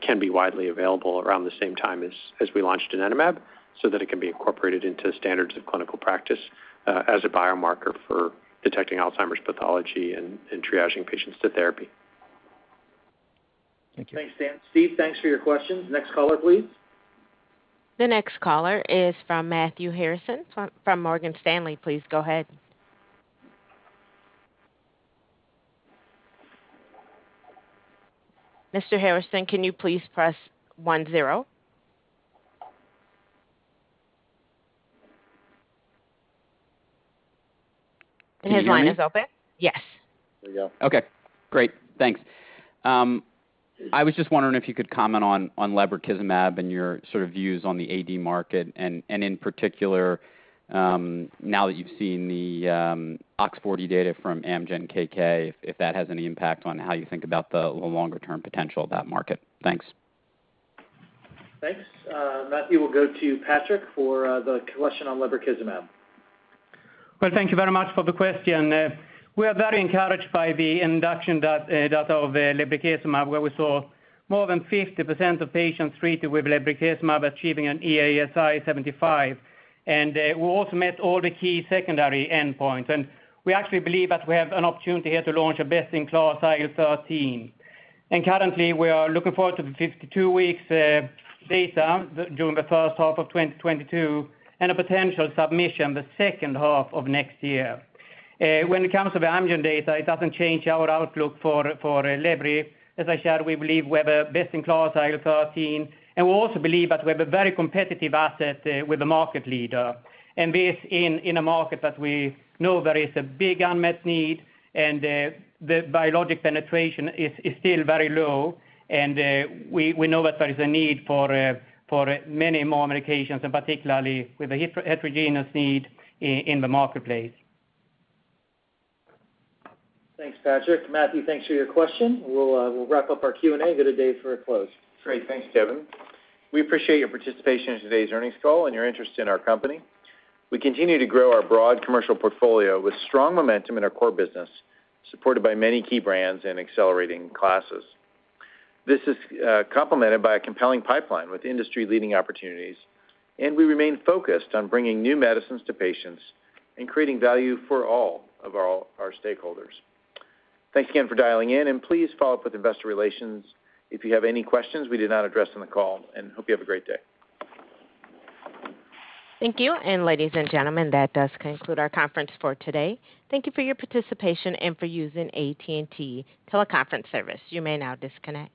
Speaker 5: can be widely available around the same time as we launch donanemab, so that it can be incorporated into standards of clinical practice, as a biomarker for detecting Alzheimer's pathology and triaging patients to therapy.
Speaker 2: Thank you. Thanks, Dan. Steve, thanks for your question. Next caller, please.
Speaker 1: The next caller is from Matthew Harrison from Morgan Stanley. Please go ahead. Mr. Harrison, can you please press one zero?
Speaker 22: Can you hear me?
Speaker 1: His line is open? Yes.
Speaker 2: There we go.
Speaker 22: Okay, great. Thanks. I was just wondering if you could comment on lebrikizumab and your sort of views on the AD market, and in particular, now that you've seen the OX40 data from Amgen/KK, if that has any impact on how you think about the longer-term potential of that market. Thanks.
Speaker 2: Thanks, Matthew. We'll go to Patrik for the question on lebrikizumab.
Speaker 19: Well, thank you very much for the question. We are very encouraged by the induction data of lebrikizumab, where we saw more than 50% of patients treated with lebrikizumab achieving an EASI-75. We also met all the key secondary endpoints. We actually believe that we have an opportunity here to launch a best-in-class IL-13. Currently, we are looking forward to the 52-week data during the first half of 2022 and a potential submission the second half of next year. When it comes to the Amgen data, it doesn't change our outlook for lebrikizumab. As I said, we believe we have a best-in-class IL-13, and we also believe that we have a very competitive asset with the market leader. This is in a market that we know there is a big unmet need and the biologic penetration is still very low. We know that there is a need for many more medications and particularly with the heterogeneous need in the marketplace.
Speaker 2: Thanks, Patrik. Matthew, thanks for your question. We'll wrap up our Q&A. Go to Dave for a close.
Speaker 3: Great. Thanks, Kevin. We appreciate your participation in today's earnings call and your interest in our company. We continue to grow our broad commercial portfolio with strong momentum in our core business, supported by many key brands and accelerating classes. This is complemented by a compelling pipeline with industry-leading opportunities, and we remain focused on bringing new medicines to patients and creating value for all of our stakeholders. Thanks again for dialing in, and please follow up with investor relations if you have any questions we did not address on the call. Hope you have a great day.
Speaker 1: Thank you. Ladies and gentlemen, that does conclude our conference for today. Thank you for your participation and for using AT&T TeleConference Services. You may now disconnect.